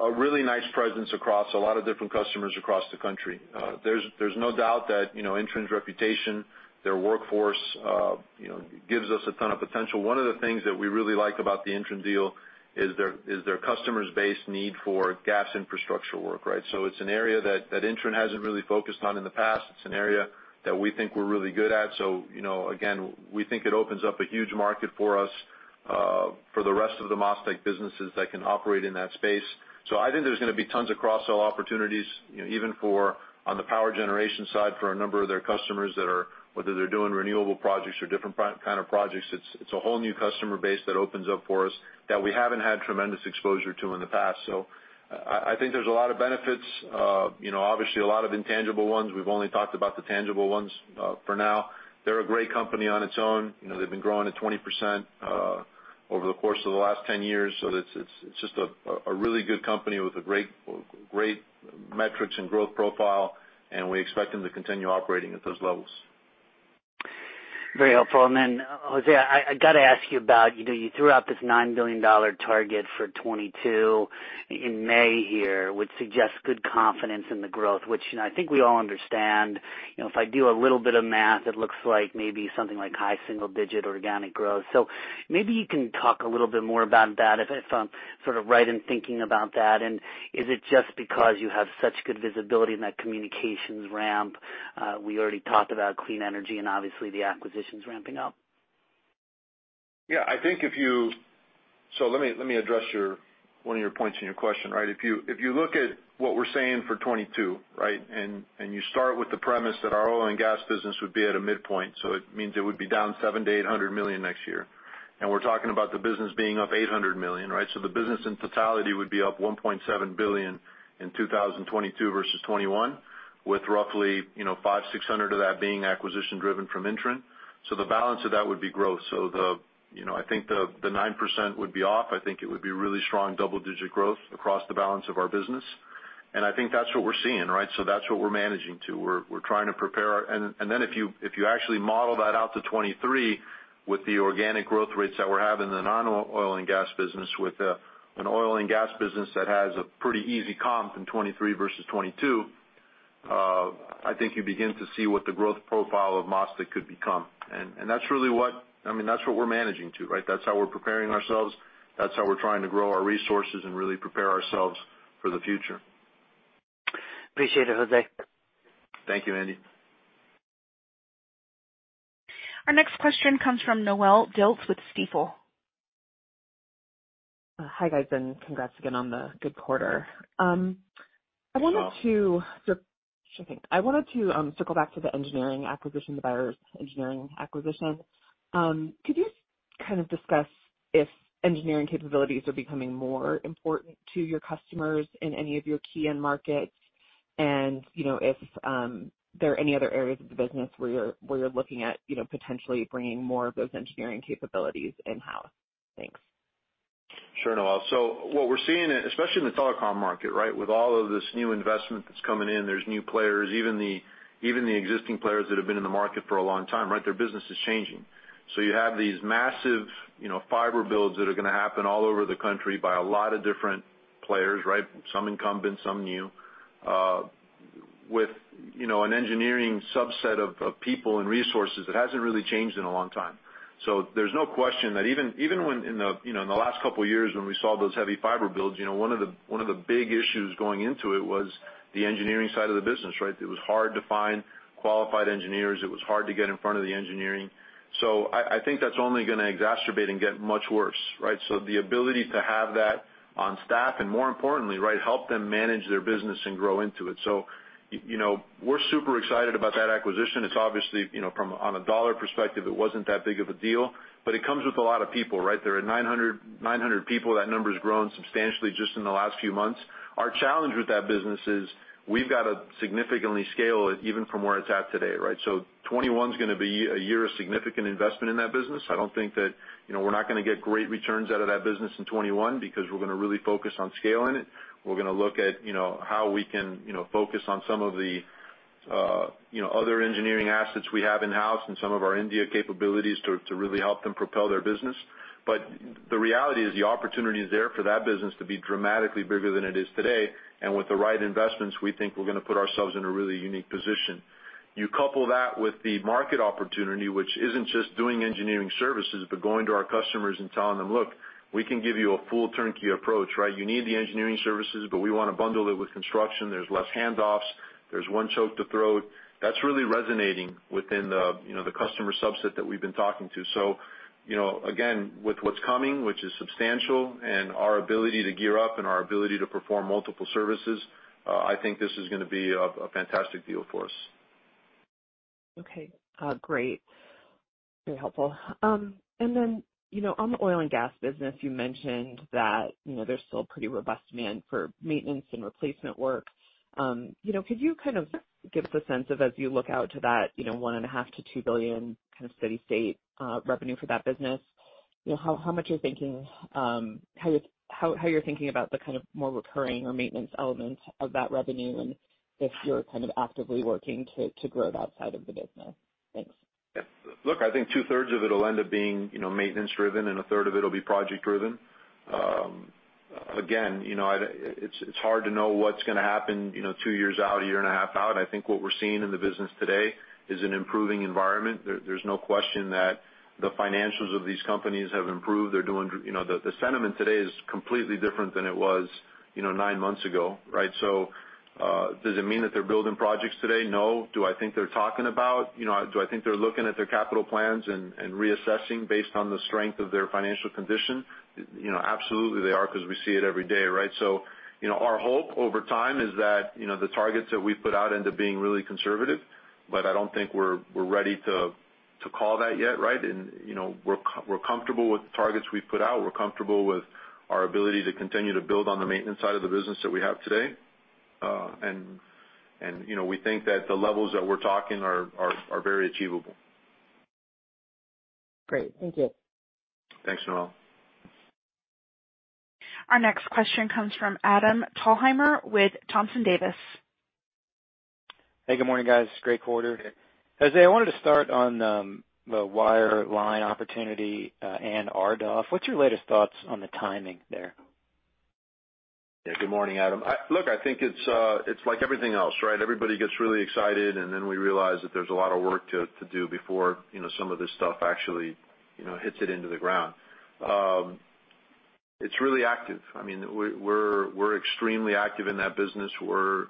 a really nice presence across a lot of different customers across the country. There's no doubt that INTREN's reputation, their workforce gives us a ton of potential. One of the things that we really like about the INTREN deal is their customer's base need for gas infrastructure work. It's an area that INTREN hasn't really focused on in the past. It's an area that we think we're really good at. Again, we think it opens up a huge market for us. For the rest of the MasTec businesses that can operate in that space. I think there's going to be tons of cross-sell opportunities, even for on the power generation side for a number of their customers, whether they're doing renewable projects or different kind of projects. It's a whole new customer base that opens up for us that we haven't had tremendous exposure to in the past. I think there's a lot of benefits. Obviously, a lot of intangible ones. We've only talked about the tangible ones for now. They're a great company on its own. They've been growing at 20% over the course of the last 10 years. It's just a really good company with great metrics and growth profile, and we expect them to continue operating at those levels. Very helpful. Jose Mas, I got to ask you about you threw out this $9 billion target for 2022 in May here, which suggests good confidence in the growth, which I think we all understand. If I do a little bit of math, it looks like maybe something like high single-digit organic growth. Maybe you can talk a little bit more about that, if I'm sort of right in thinking about that. Is it just because you have such good visibility in that communications ramp? We already talked about clean energy and obviously the acquisitions ramping up. Yeah. Let me address one of your points in your question, right? If you look at what we're saying for 2022, right? You start with the premise that our oil and gas business would be at a midpoint, so it means it would be down $700 million-$800 million next year. We're talking about the business being up $800 million, right? The business in totality would be up $1.7 billion in 2022 versus 2021, with roughly $500-$600 million of that being acquisition driven from INTREN. The balance of that would be growth. I think the 9% would be off. I think it would be really strong double-digit growth across the balance of our business. I think that's what we're seeing, right? That's what we're managing to. We're trying to prepare. If you actually model that out to 2023 with the organic growth rates that we have in the non-oil and gas business with an oil and gas business that has a pretty easy comp in 2023 versus 2022, I think you begin to see what the growth profile of MasTec could become. That's what we're managing to, right? That's how we're preparing ourselves. That's how we're trying to grow our resources and really prepare ourselves for the future. Appreciate it, Jose. Thank you, Andy. Our next question comes from Noelle Dilts with Stifel. Hi, guys. Congrats again on the good quarter. Thank you, Noelle. I wanted to circle back to the engineering acquisition, the Byers Engineering acquisition. Could you kind of discuss if engineering capabilities are becoming more important to your customers in any of your key end markets? If there are any other areas of the business where you're looking at potentially bringing more of those engineering capabilities in-house. Thanks. Sure, Noelle. What we're seeing, especially in the telecom market, right, with all of this new investment that's coming in, there's new players, even the existing players that have been in the market for a long time, right, their business is changing. You have these massive fiber builds that are going to happen all over the country by a lot of different players, right? Some incumbents, some new, with an engineering subset of people and resources that hasn't really changed in a long time. There's no question that even in the last couple of years when we saw those heavy fiber builds, one of the big issues going into it was the engineering side of the business, right? It was hard to find qualified engineers. It was hard to get in front of the engineering. I think that's only going to exacerbate and get much worse, right? The ability to have that on staff, and more importantly, right, help them manage their business and grow into it. We're super excited about that acquisition. It's obviously on a dollar perspective, it wasn't that big of a deal, but it comes with a lot of people, right? There are 900 people. That number's grown substantially just in the last few months. Our challenge with that business is we've got to significantly scale it even from where it's at today, right? 2021 is going to be a year of significant investment in that business. I don't think that we're not going to get great returns out of that business in 2021 because we're going to really focus on scaling it. We're going to look at how we can focus on some of the other engineering assets we have in-house and some of our India capabilities to really help them propel their business. The reality is the opportunity is there for that business to be dramatically bigger than it is today. With the right investments, we think we're going to put ourselves in a really unique position. You couple that with the market opportunity, which isn't just doing engineering services, but going to our customers and telling them, "Look, we can give you a full turnkey approach," right? You need the engineering services, but we want to bundle it with construction. There's less handoffs. There's one choke to throw. That's really resonating within the customer subset that we've been talking to. Again, with what's coming, which is substantial, and our ability to gear up and our ability to perform multiple services, I think this is going to be a fantastic deal for us. Okay, great. Very helpful. On the oil and gas business, you mentioned that there's still pretty robust demand for maintenance and replacement work. Could you kind of give us a sense of as you look out to that $1.5 billion-$2 billion kind of steady state revenue for that business, how you're thinking about the kind of more recurring or maintenance elements of that revenue, and if you're kind of actively working to grow it outside of the business? Thanks. Look, I think 2/3 of it will end up being maintenance driven, and a third of it will be project driven. Again, it's hard to know what's going to happen two years out, a year and a half out. I think what we're seeing in the business today is an improving environment. There's no question that the financials of these companies have improved. The sentiment today is completely different than it was nine months ago, right? Does it mean that they're building projects today? No. Do I think they're talking about? Do I think they're looking at their capital plans and reassessing based on the strength of their financial condition? Absolutely they are because we see it every day, right? Our hope over time is that the targets that we put out end up being really conservative, but I don't think we're ready to call that yet, right? We're comfortable with the targets we've put out. We're comfortable with our ability to continue to build on the maintenance side of the business that we have today. We think that the levels that we're talking are very achievable. Great. Thank you. Thanks, Noelle. Our next question comes from Adam Thalhimer with Thompson Davis. Hey, good morning, guys. Great quarter. Jose, I wanted to start on the wireline opportunity and RDOF. What's your latest thoughts on the timing there? Yeah, good morning, Adam. Look, I think it's like everything else, right? Everybody gets really excited, and then we realize that there's a lot of work to do before some of this stuff actually hits it into the ground. It's really active. We're extremely active in that business. We're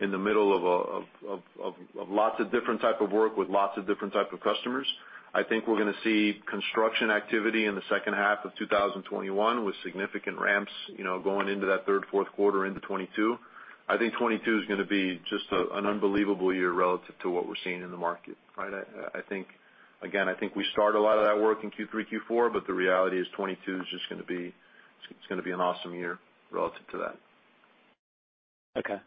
in the middle of lots of different type of work with lots of different type of customers. I think we're going to see construction activity in the second half of 2021 with significant ramps, going into that third, fourth quarter into 2022. I think 2022 is going to be just an unbelievable year relative to what we're seeing in the market. Again, I think we start a lot of that work in Q3, Q4, but the reality is 2022 is just going to be an awesome year relative to that. Okay.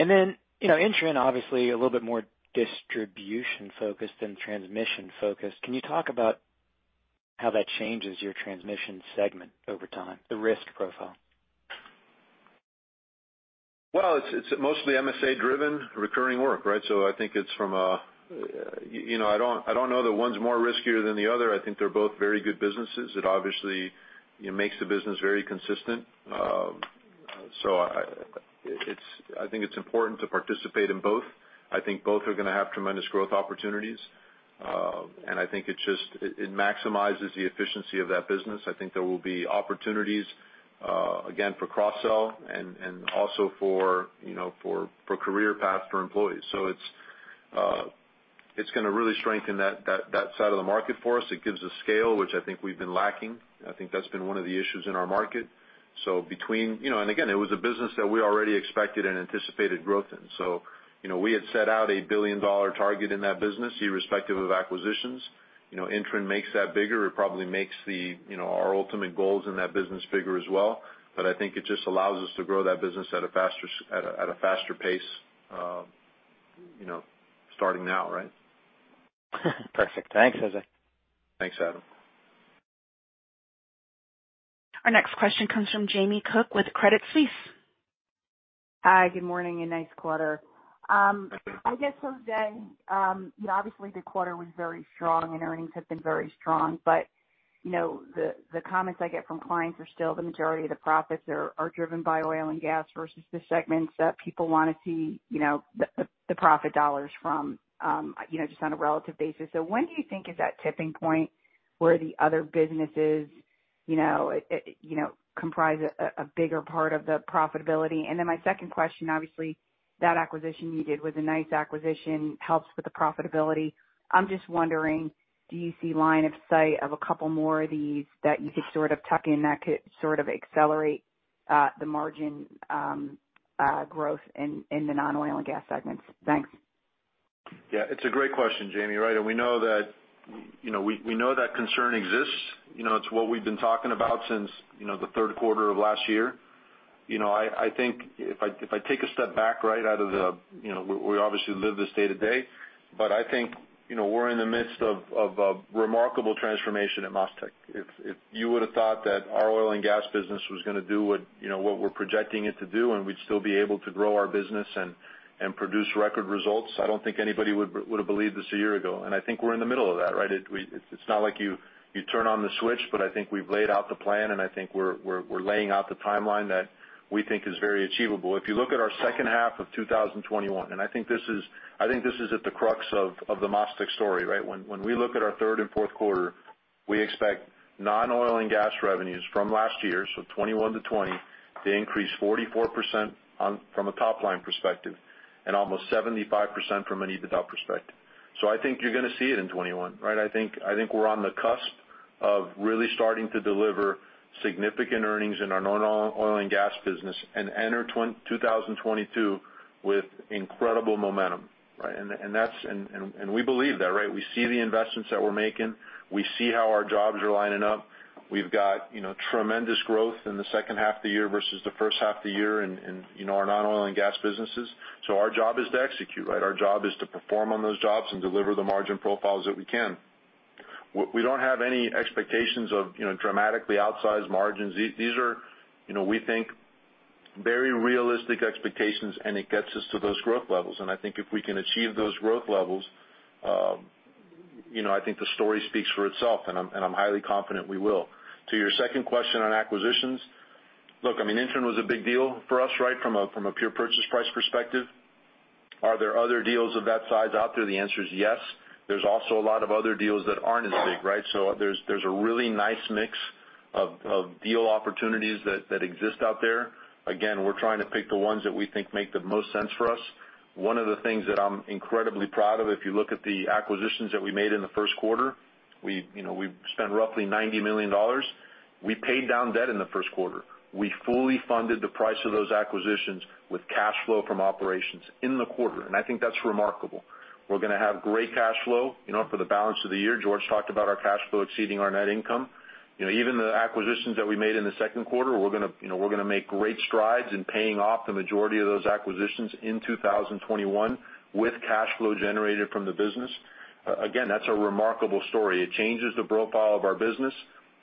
INTREN obviously a little bit more distribution focused than transmission focused. Can you talk about how that changes your transmission segment over time, the risk profile? Well, it's mostly MSA driven recurring work, right? I think I don't know that one's more riskier than the other. I think they're both very good businesses. It obviously makes the business very consistent. I think it's important to participate in both. I think both are going to have tremendous growth opportunities. I think it maximizes the efficiency of that business. I think there will be opportunities, again, for cross-sell and also for career paths for employees. It's going to really strengthen that side of the market for us. It gives a scale, which I think we've been lacking, and I think that's been one of the issues in our market. Again, it was a business that we already expected and anticipated growth in. We had set out a billion-dollar target in that business, irrespective of acquisitions. INTREN makes that bigger. It probably makes our ultimate goals in that business figure as well. I think it just allows us to grow that business at a faster pace starting now, right? Perfect. Thanks, Jose. Thanks, Adam. Our next question comes from Jamie Cook with Credit Suisse. Hi, good morning, and nice quarter. I guess, Jose, obviously the quarter was very strong and earnings have been very strong, but the comments I get from clients are still the majority of the profits are driven by oil and gas versus the segments that people want to see the profit dollars from, just on a relative basis. When do you think is that tipping point where the other businesses comprise a bigger part of the profitability? My second question, obviously, that acquisition you did was a nice acquisition, helps with the profitability. I'm just wondering, do you see line of sight of a couple more of these that you could tuck in that could accelerate the margin growth in the non-oil and gas segments? Thanks. Yeah. It's a great question, Jamie, right? We know that concern exists. It's what we've been talking about since the third quarter of last year. I think if I take a step back, we obviously live this day to day, but I think we're in the midst of a remarkable transformation at MasTec. If you would've thought that our oil and gas business was going to do what we're projecting it to do, and we'd still be able to grow our business and produce record results, I don't think anybody would've believed this a year ago, and I think we're in the middle of that, right? It's not like you turn on the switch, but I think we've laid out the plan, and I think we're laying out the timeline that we think is very achievable. If you look at our second half of 2021, and I think this is at the crux of the MasTec story, right? When we look at our third and fourth quarter, we expect non-oil and gas revenues from last year, so 2021 to 2020, to increase 44% from a top-line perspective and almost 75% from an EBITDA perspective. I think you're going to see it in 2021, right? I think we're on the cusp of really starting to deliver significant earnings in our non-oil and gas business and enter 2022 with incredible momentum, right? We believe that, right? We see the investments that we're making. We see how our jobs are lining up. We've got tremendous growth in the second half of the year versus the first half of the year in our non-oil and gas businesses. Our job is to execute, right? Our job is to perform on those jobs and deliver the margin profiles that we can. We don't have any expectations of dramatically outsized margins. These are, we think, very realistic expectations, and it gets us to those growth levels. I think if we can achieve those growth levels, I think the story speaks for itself, and I'm highly confident we will. To your second question on acquisitions. Look, INTREN was a big deal for us from a pure purchase price perspective. Are there other deals of that size out there? The answer is yes. There's also a lot of other deals that aren't as big, right? There's a really nice mix of deal opportunities that exist out there. Again, we're trying to pick the ones that we think make the most sense for us. One of the things that I'm incredibly proud of, if you look at the acquisitions that we made in the first quarter. We spent roughly $90 million. We paid down debt in the first quarter. We fully funded the price of those acquisitions with cash flow from operations in the quarter, and I think that's remarkable. We're going to have great cash flow for the balance of the year. George talked about our cash flow exceeding our net income. Even the acquisitions that we made in the second quarter, we're going to make great strides in paying off the majority of those acquisitions in 2021 with cash flow generated from the business. Again, that's a remarkable story. It changes the profile of our business.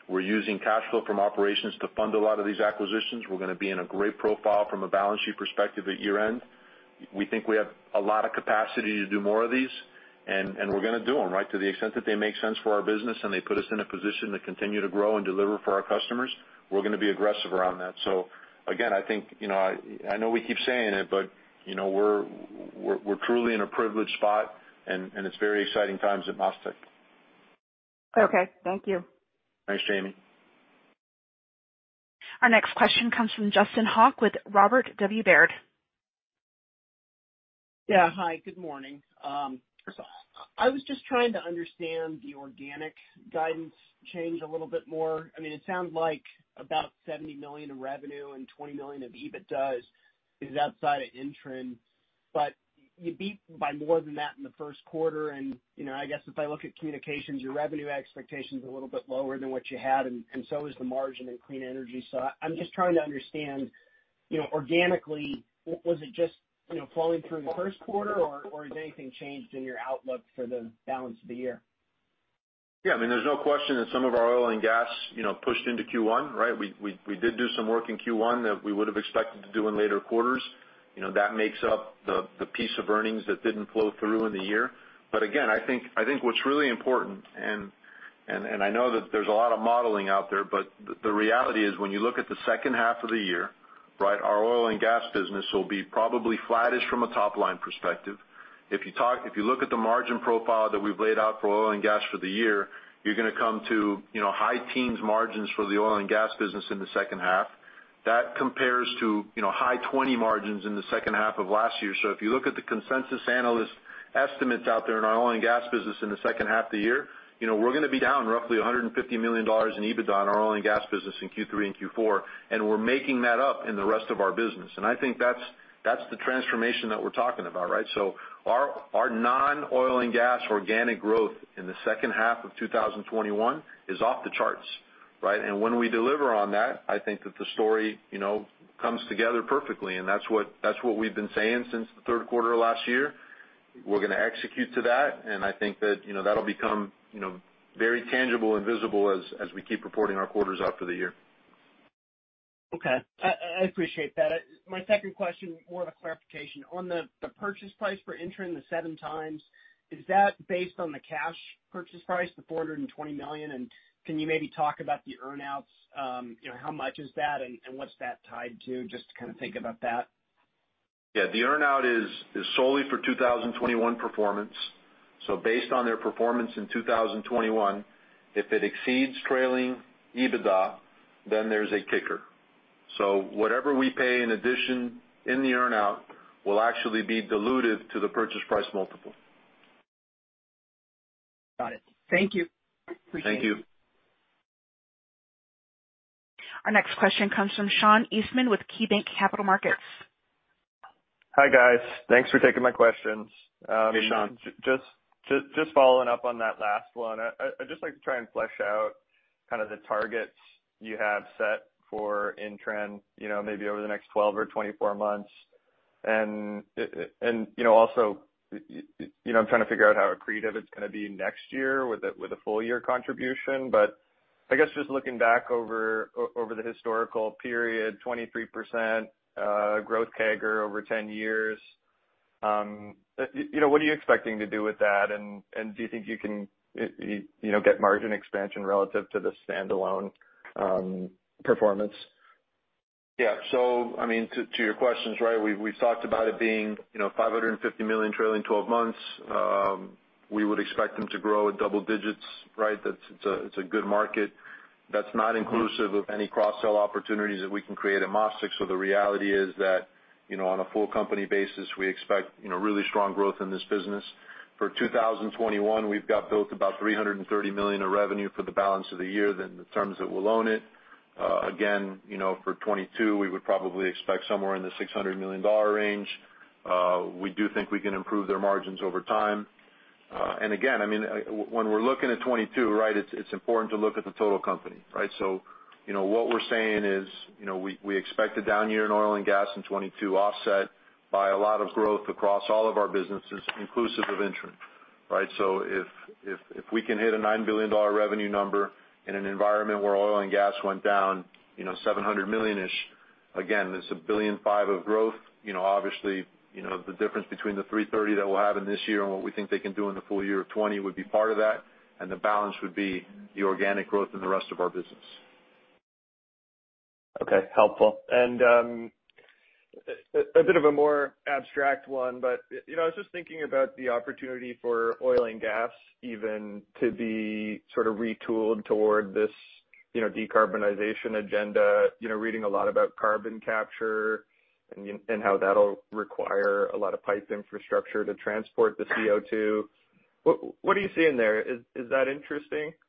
We're using cash flow from operations to fund a lot of these acquisitions. We're going to be in a great profile from a balance sheet perspective at year-end. We think we have a lot of capacity to do more of these, and we're going to do them, right? To the extent that they make sense for our business and they put us in a position to continue to grow and deliver for our customers, we're going to be aggressive around that. Again, I know we keep saying it, but we're truly in a privileged spot, and it's very exciting times at MasTec. Okay. Thank you. Thanks, Jamie. Our next question comes from Justin Hauke with Robert W. Baird. Yeah. Hi, good morning. First of all, I was just trying to understand the organic guidance change a little bit more. It sounds like about $70 million of revenue and $20 million of EBITDA is outside of INTREN, but you beat by more than that in the first quarter. I guess if I look at communications, your revenue expectation's a little bit lower than what you had, and so is the margin in clean energy. I'm just trying to understand, organically, was it just flowing through the first quarter, or has anything changed in your outlook for the balance of the year? Yeah. There's no question that some of our oil and gas pushed into Q1, right? We did do some work in Q1 that we would've expected to do in later quarters. That makes up the piece of earnings that didn't flow through in the year. Again, I think what's really important, and I know that there's a lot of modeling out there, but the reality is, when you look at the second half of the year, right, our oil and gas business will be probably flattish from a top-line perspective. If you look at the margin profile that we've laid out for oil and gas for the year, you're going to come to high teens margins for the oil and gas business in the second half. That compares to high 20 margins in the second half of last year. If you look at the consensus analyst estimates out there in our oil and gas business in the second half of the year, we're going to be down roughly $150 million in EBITDA on our oil and gas business in Q3 and Q4, and we're making that up in the rest of our business. I think that's the transformation that we're talking about, right? Our non-oil and gas organic growth in the second half of 2021 is off the charts, right? When we deliver on that, I think that the story comes together perfectly, and that's what we've been saying since the third quarter of last year. We're gonna execute to that, and I think that'll become very tangible and visible as we keep reporting our quarters out for the year. Okay. I appreciate that. My second question, more of a clarification. On the purchase price for INTREN, the seven times, is that based on the cash purchase price, the $420 million? Can you maybe talk about the earn-outs? How much is that, and what's that tied to? Just to kind of think about that. Yeah. The earn-out is solely for 2021 performance. Based on their performance in 2021, if it exceeds trailing EBITDA, then there's a kicker. Whatever we pay in addition in the earn-out will actually be diluted to the purchase price multiple. Got it. Thank you. Appreciate it. Thank you. Our next question comes from Sean Eastman with KeyBanc Capital Markets. Hi, guys. Thanks for taking my questions. Hey, Sean. Just following up on that last one. I'd just like to try and flesh out kind of the targets you have set for INTREN maybe over the next 12 or 24 months. Also, I'm trying to figure out how accretive it's going to be next year with a full-year contribution. I guess just looking back over the historical period, 23% growth CAGR over 10 years. What are you expecting to do with that, and do you think you can get margin expansion relative to the standalone performance? Yeah. to your questions, right, we've talked about it being 550 million trailing 12 months. We would expect them to grow at double digits, right? It's a good market. That's not inclusive of any cross-sell opportunities that we can create at MasTec, so the reality is that on a full company basis, we expect really strong growth in this business. For 2021, we've got built about 330 million of revenue for the balance of the year in the terms that we'll own it. Again, for 2022, we would probably expect somewhere in the $600 million range. We do think we can improve their margins over time. again, when we're looking at 2022, right, it's important to look at the total company, right? what we're saying is we expect a down year in oil and gas in 2022, offset by a lot of growth across all of our businesses, inclusive of INTREN, right? if we can hit a $9 billion revenue number in an environment where oil and gas went down 700 million-ish, again, this is a billion five of growth. Obviously, the difference between the 330 that we'll have in this year and what we think they can do in the full year of 2020 would be part of that, and the balance would be the organic growth in the rest of our business. Okay. Helpful. a bit of a more abstract one, but I was just thinking about the opportunity for oil and gas even to be sort of retooled toward this decarbonization agenda, reading a lot about carbon capture and how that'll require a lot of pipe infrastructure to transport the CO2. What are you seeing there? Is that interesting? Yeah.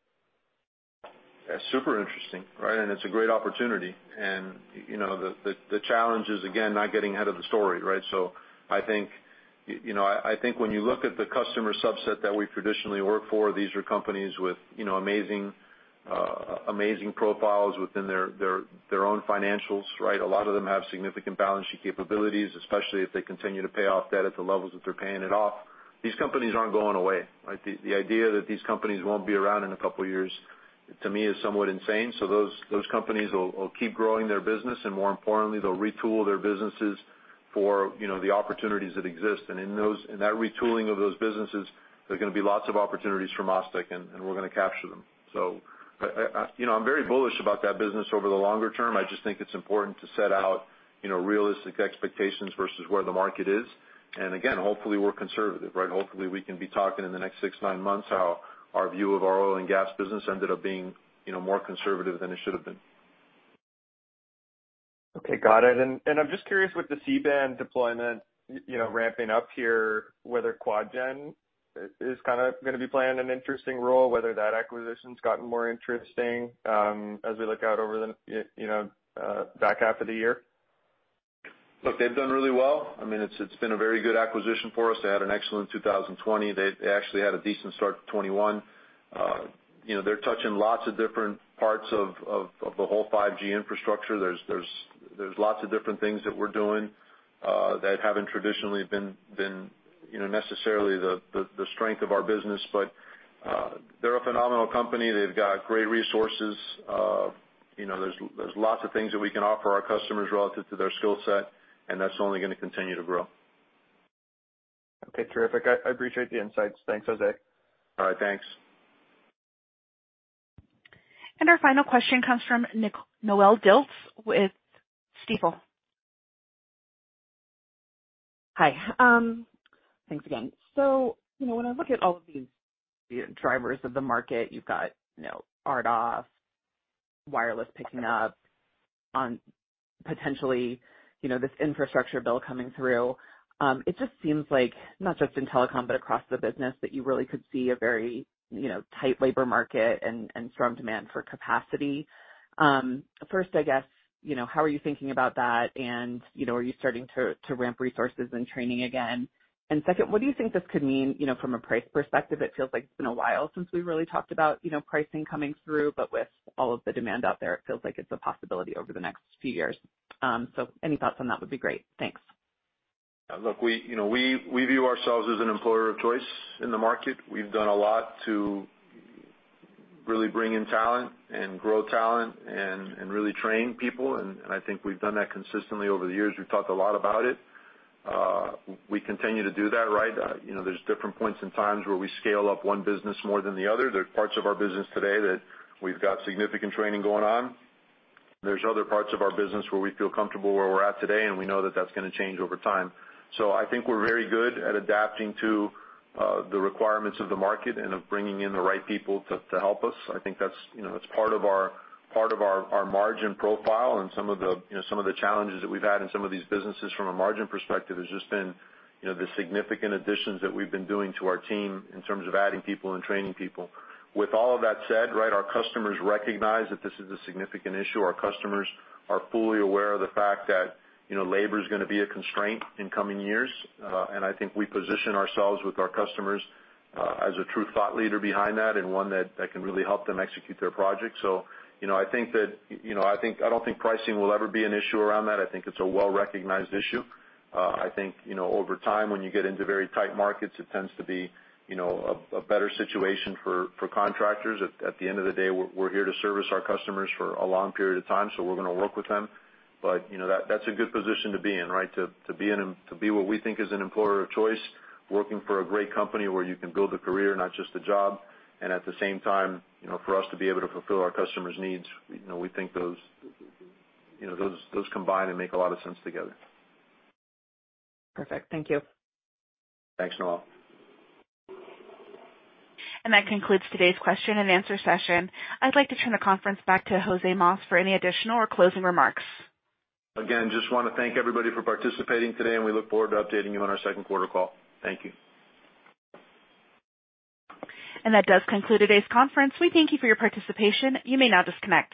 Super interesting, right? It's a great opportunity. The challenge is, again, not getting ahead of the story, right? I think when you look at the customer subset that we traditionally work for, these are companies with amazing profiles within their own financials, right? A lot of them have significant balance sheet capabilities, especially if they continue to pay off debt at the levels that they're paying it off. These companies aren't going away, right? The idea that these companies won't be around in a couple of years, to me, is somewhat insane. Those companies will keep growing their business, and more importantly, they'll retool their businesses for the opportunities that exist. In that retooling of those businesses, there's going to be lots of opportunities for MasTec, and we're gonna capture them. I'm very bullish about that business over the longer term. I just think it's important to set out realistic expectations versus where the market is. again, hopefully, we're conservative, right? Hopefully, we can be talking in the next six, nine months how our view of our oil and gas business ended up being more conservative than it should've been. Okay. Got it. I'm just curious with the C-band deployment ramping up here, whether QuadGen is gonna be playing an interesting role, whether that acquisition's gotten more interesting as we look out over the back half of the year. Look, they've done really well. It's been a very good acquisition for us. They had an excellent 2020. They actually had a decent start to 2021. They're touching lots of different parts of the whole 5G infrastructure. There's lots of different things that we're doing that haven't traditionally been necessarily the strength of our business. They're a phenomenal company. They've got great resources. There's lots of things that we can offer our customers relative to their skill set, and that's only gonna continue to grow. Okay. Terrific. I appreciate the insights. Thanks, Jose. All right. Thanks. Our final question comes from Noelle Dilts with Stifel. Hi. Thanks again. When I look at all of these drivers of the market, you've got RDOF, wireless picking up on potentially this infrastructure bill coming through. It just seems like, not just in telecom, but across the business, that you really could see a very tight labor market and strong demand for capacity. First, how are you thinking about that, and are you starting to ramp resources and training again? Second, what do you think this could mean from a price perspective? It feels like it's been a while since we really talked about pricing coming through, but with all of the demand out there, it feels like it's a possibility over the next few years. Any thoughts on that would be great. Thanks. Look, we view ourselves as an employer of choice in the market. We've done a lot to really bring in talent and grow talent and really train people, and I think we've done that consistently over the years. We've talked a lot about it. We continue to do that, right? There's different points and times where we scale up one business more than the other. There's parts of our business today that we've got significant training going on. There's other parts of our business where we feel comfortable where we're at today, and we know that that's gonna change over time. I think we're very good at adapting to the requirements of the market and of bringing in the right people to help us. I think that's part of our margin profile and some of the challenges that we've had in some of these businesses from a margin perspective has just been the significant additions that we've been doing to our team in terms of adding people and training people. With all of that said, right, our customers recognize that this is a significant issue. Our customers are fully aware of the fact that labor's gonna be a constraint in coming years. I think we position ourselves with our customers as a true thought leader behind that and one that can really help them execute their projects. I don't think pricing will ever be an issue around that. I think it's a well-recognized issue. I think over time, when you get into very tight markets, it tends to be a better situation for contractors. At the end of the day, we're here to service our customers for a long period of time, so we're gonna work with them. That's a good position to be in, right? To be what we think is an employer of choice, working for a great company where you can build a career, not just a job, and at the same time, for us to be able to fulfill our customers' needs. We think those combine and make a lot of sense together. Perfect. Thank you. Thanks, Noelle. That concludes today's question and answer session. I'd like to turn the conference back to Jose Mas for any additional or closing remarks. Again, just want to thank everybody for participating today, and we look forward to updating you on our second quarter call. Thank you. That does conclude today's conference. We thank you for your participation. You may now disconnect.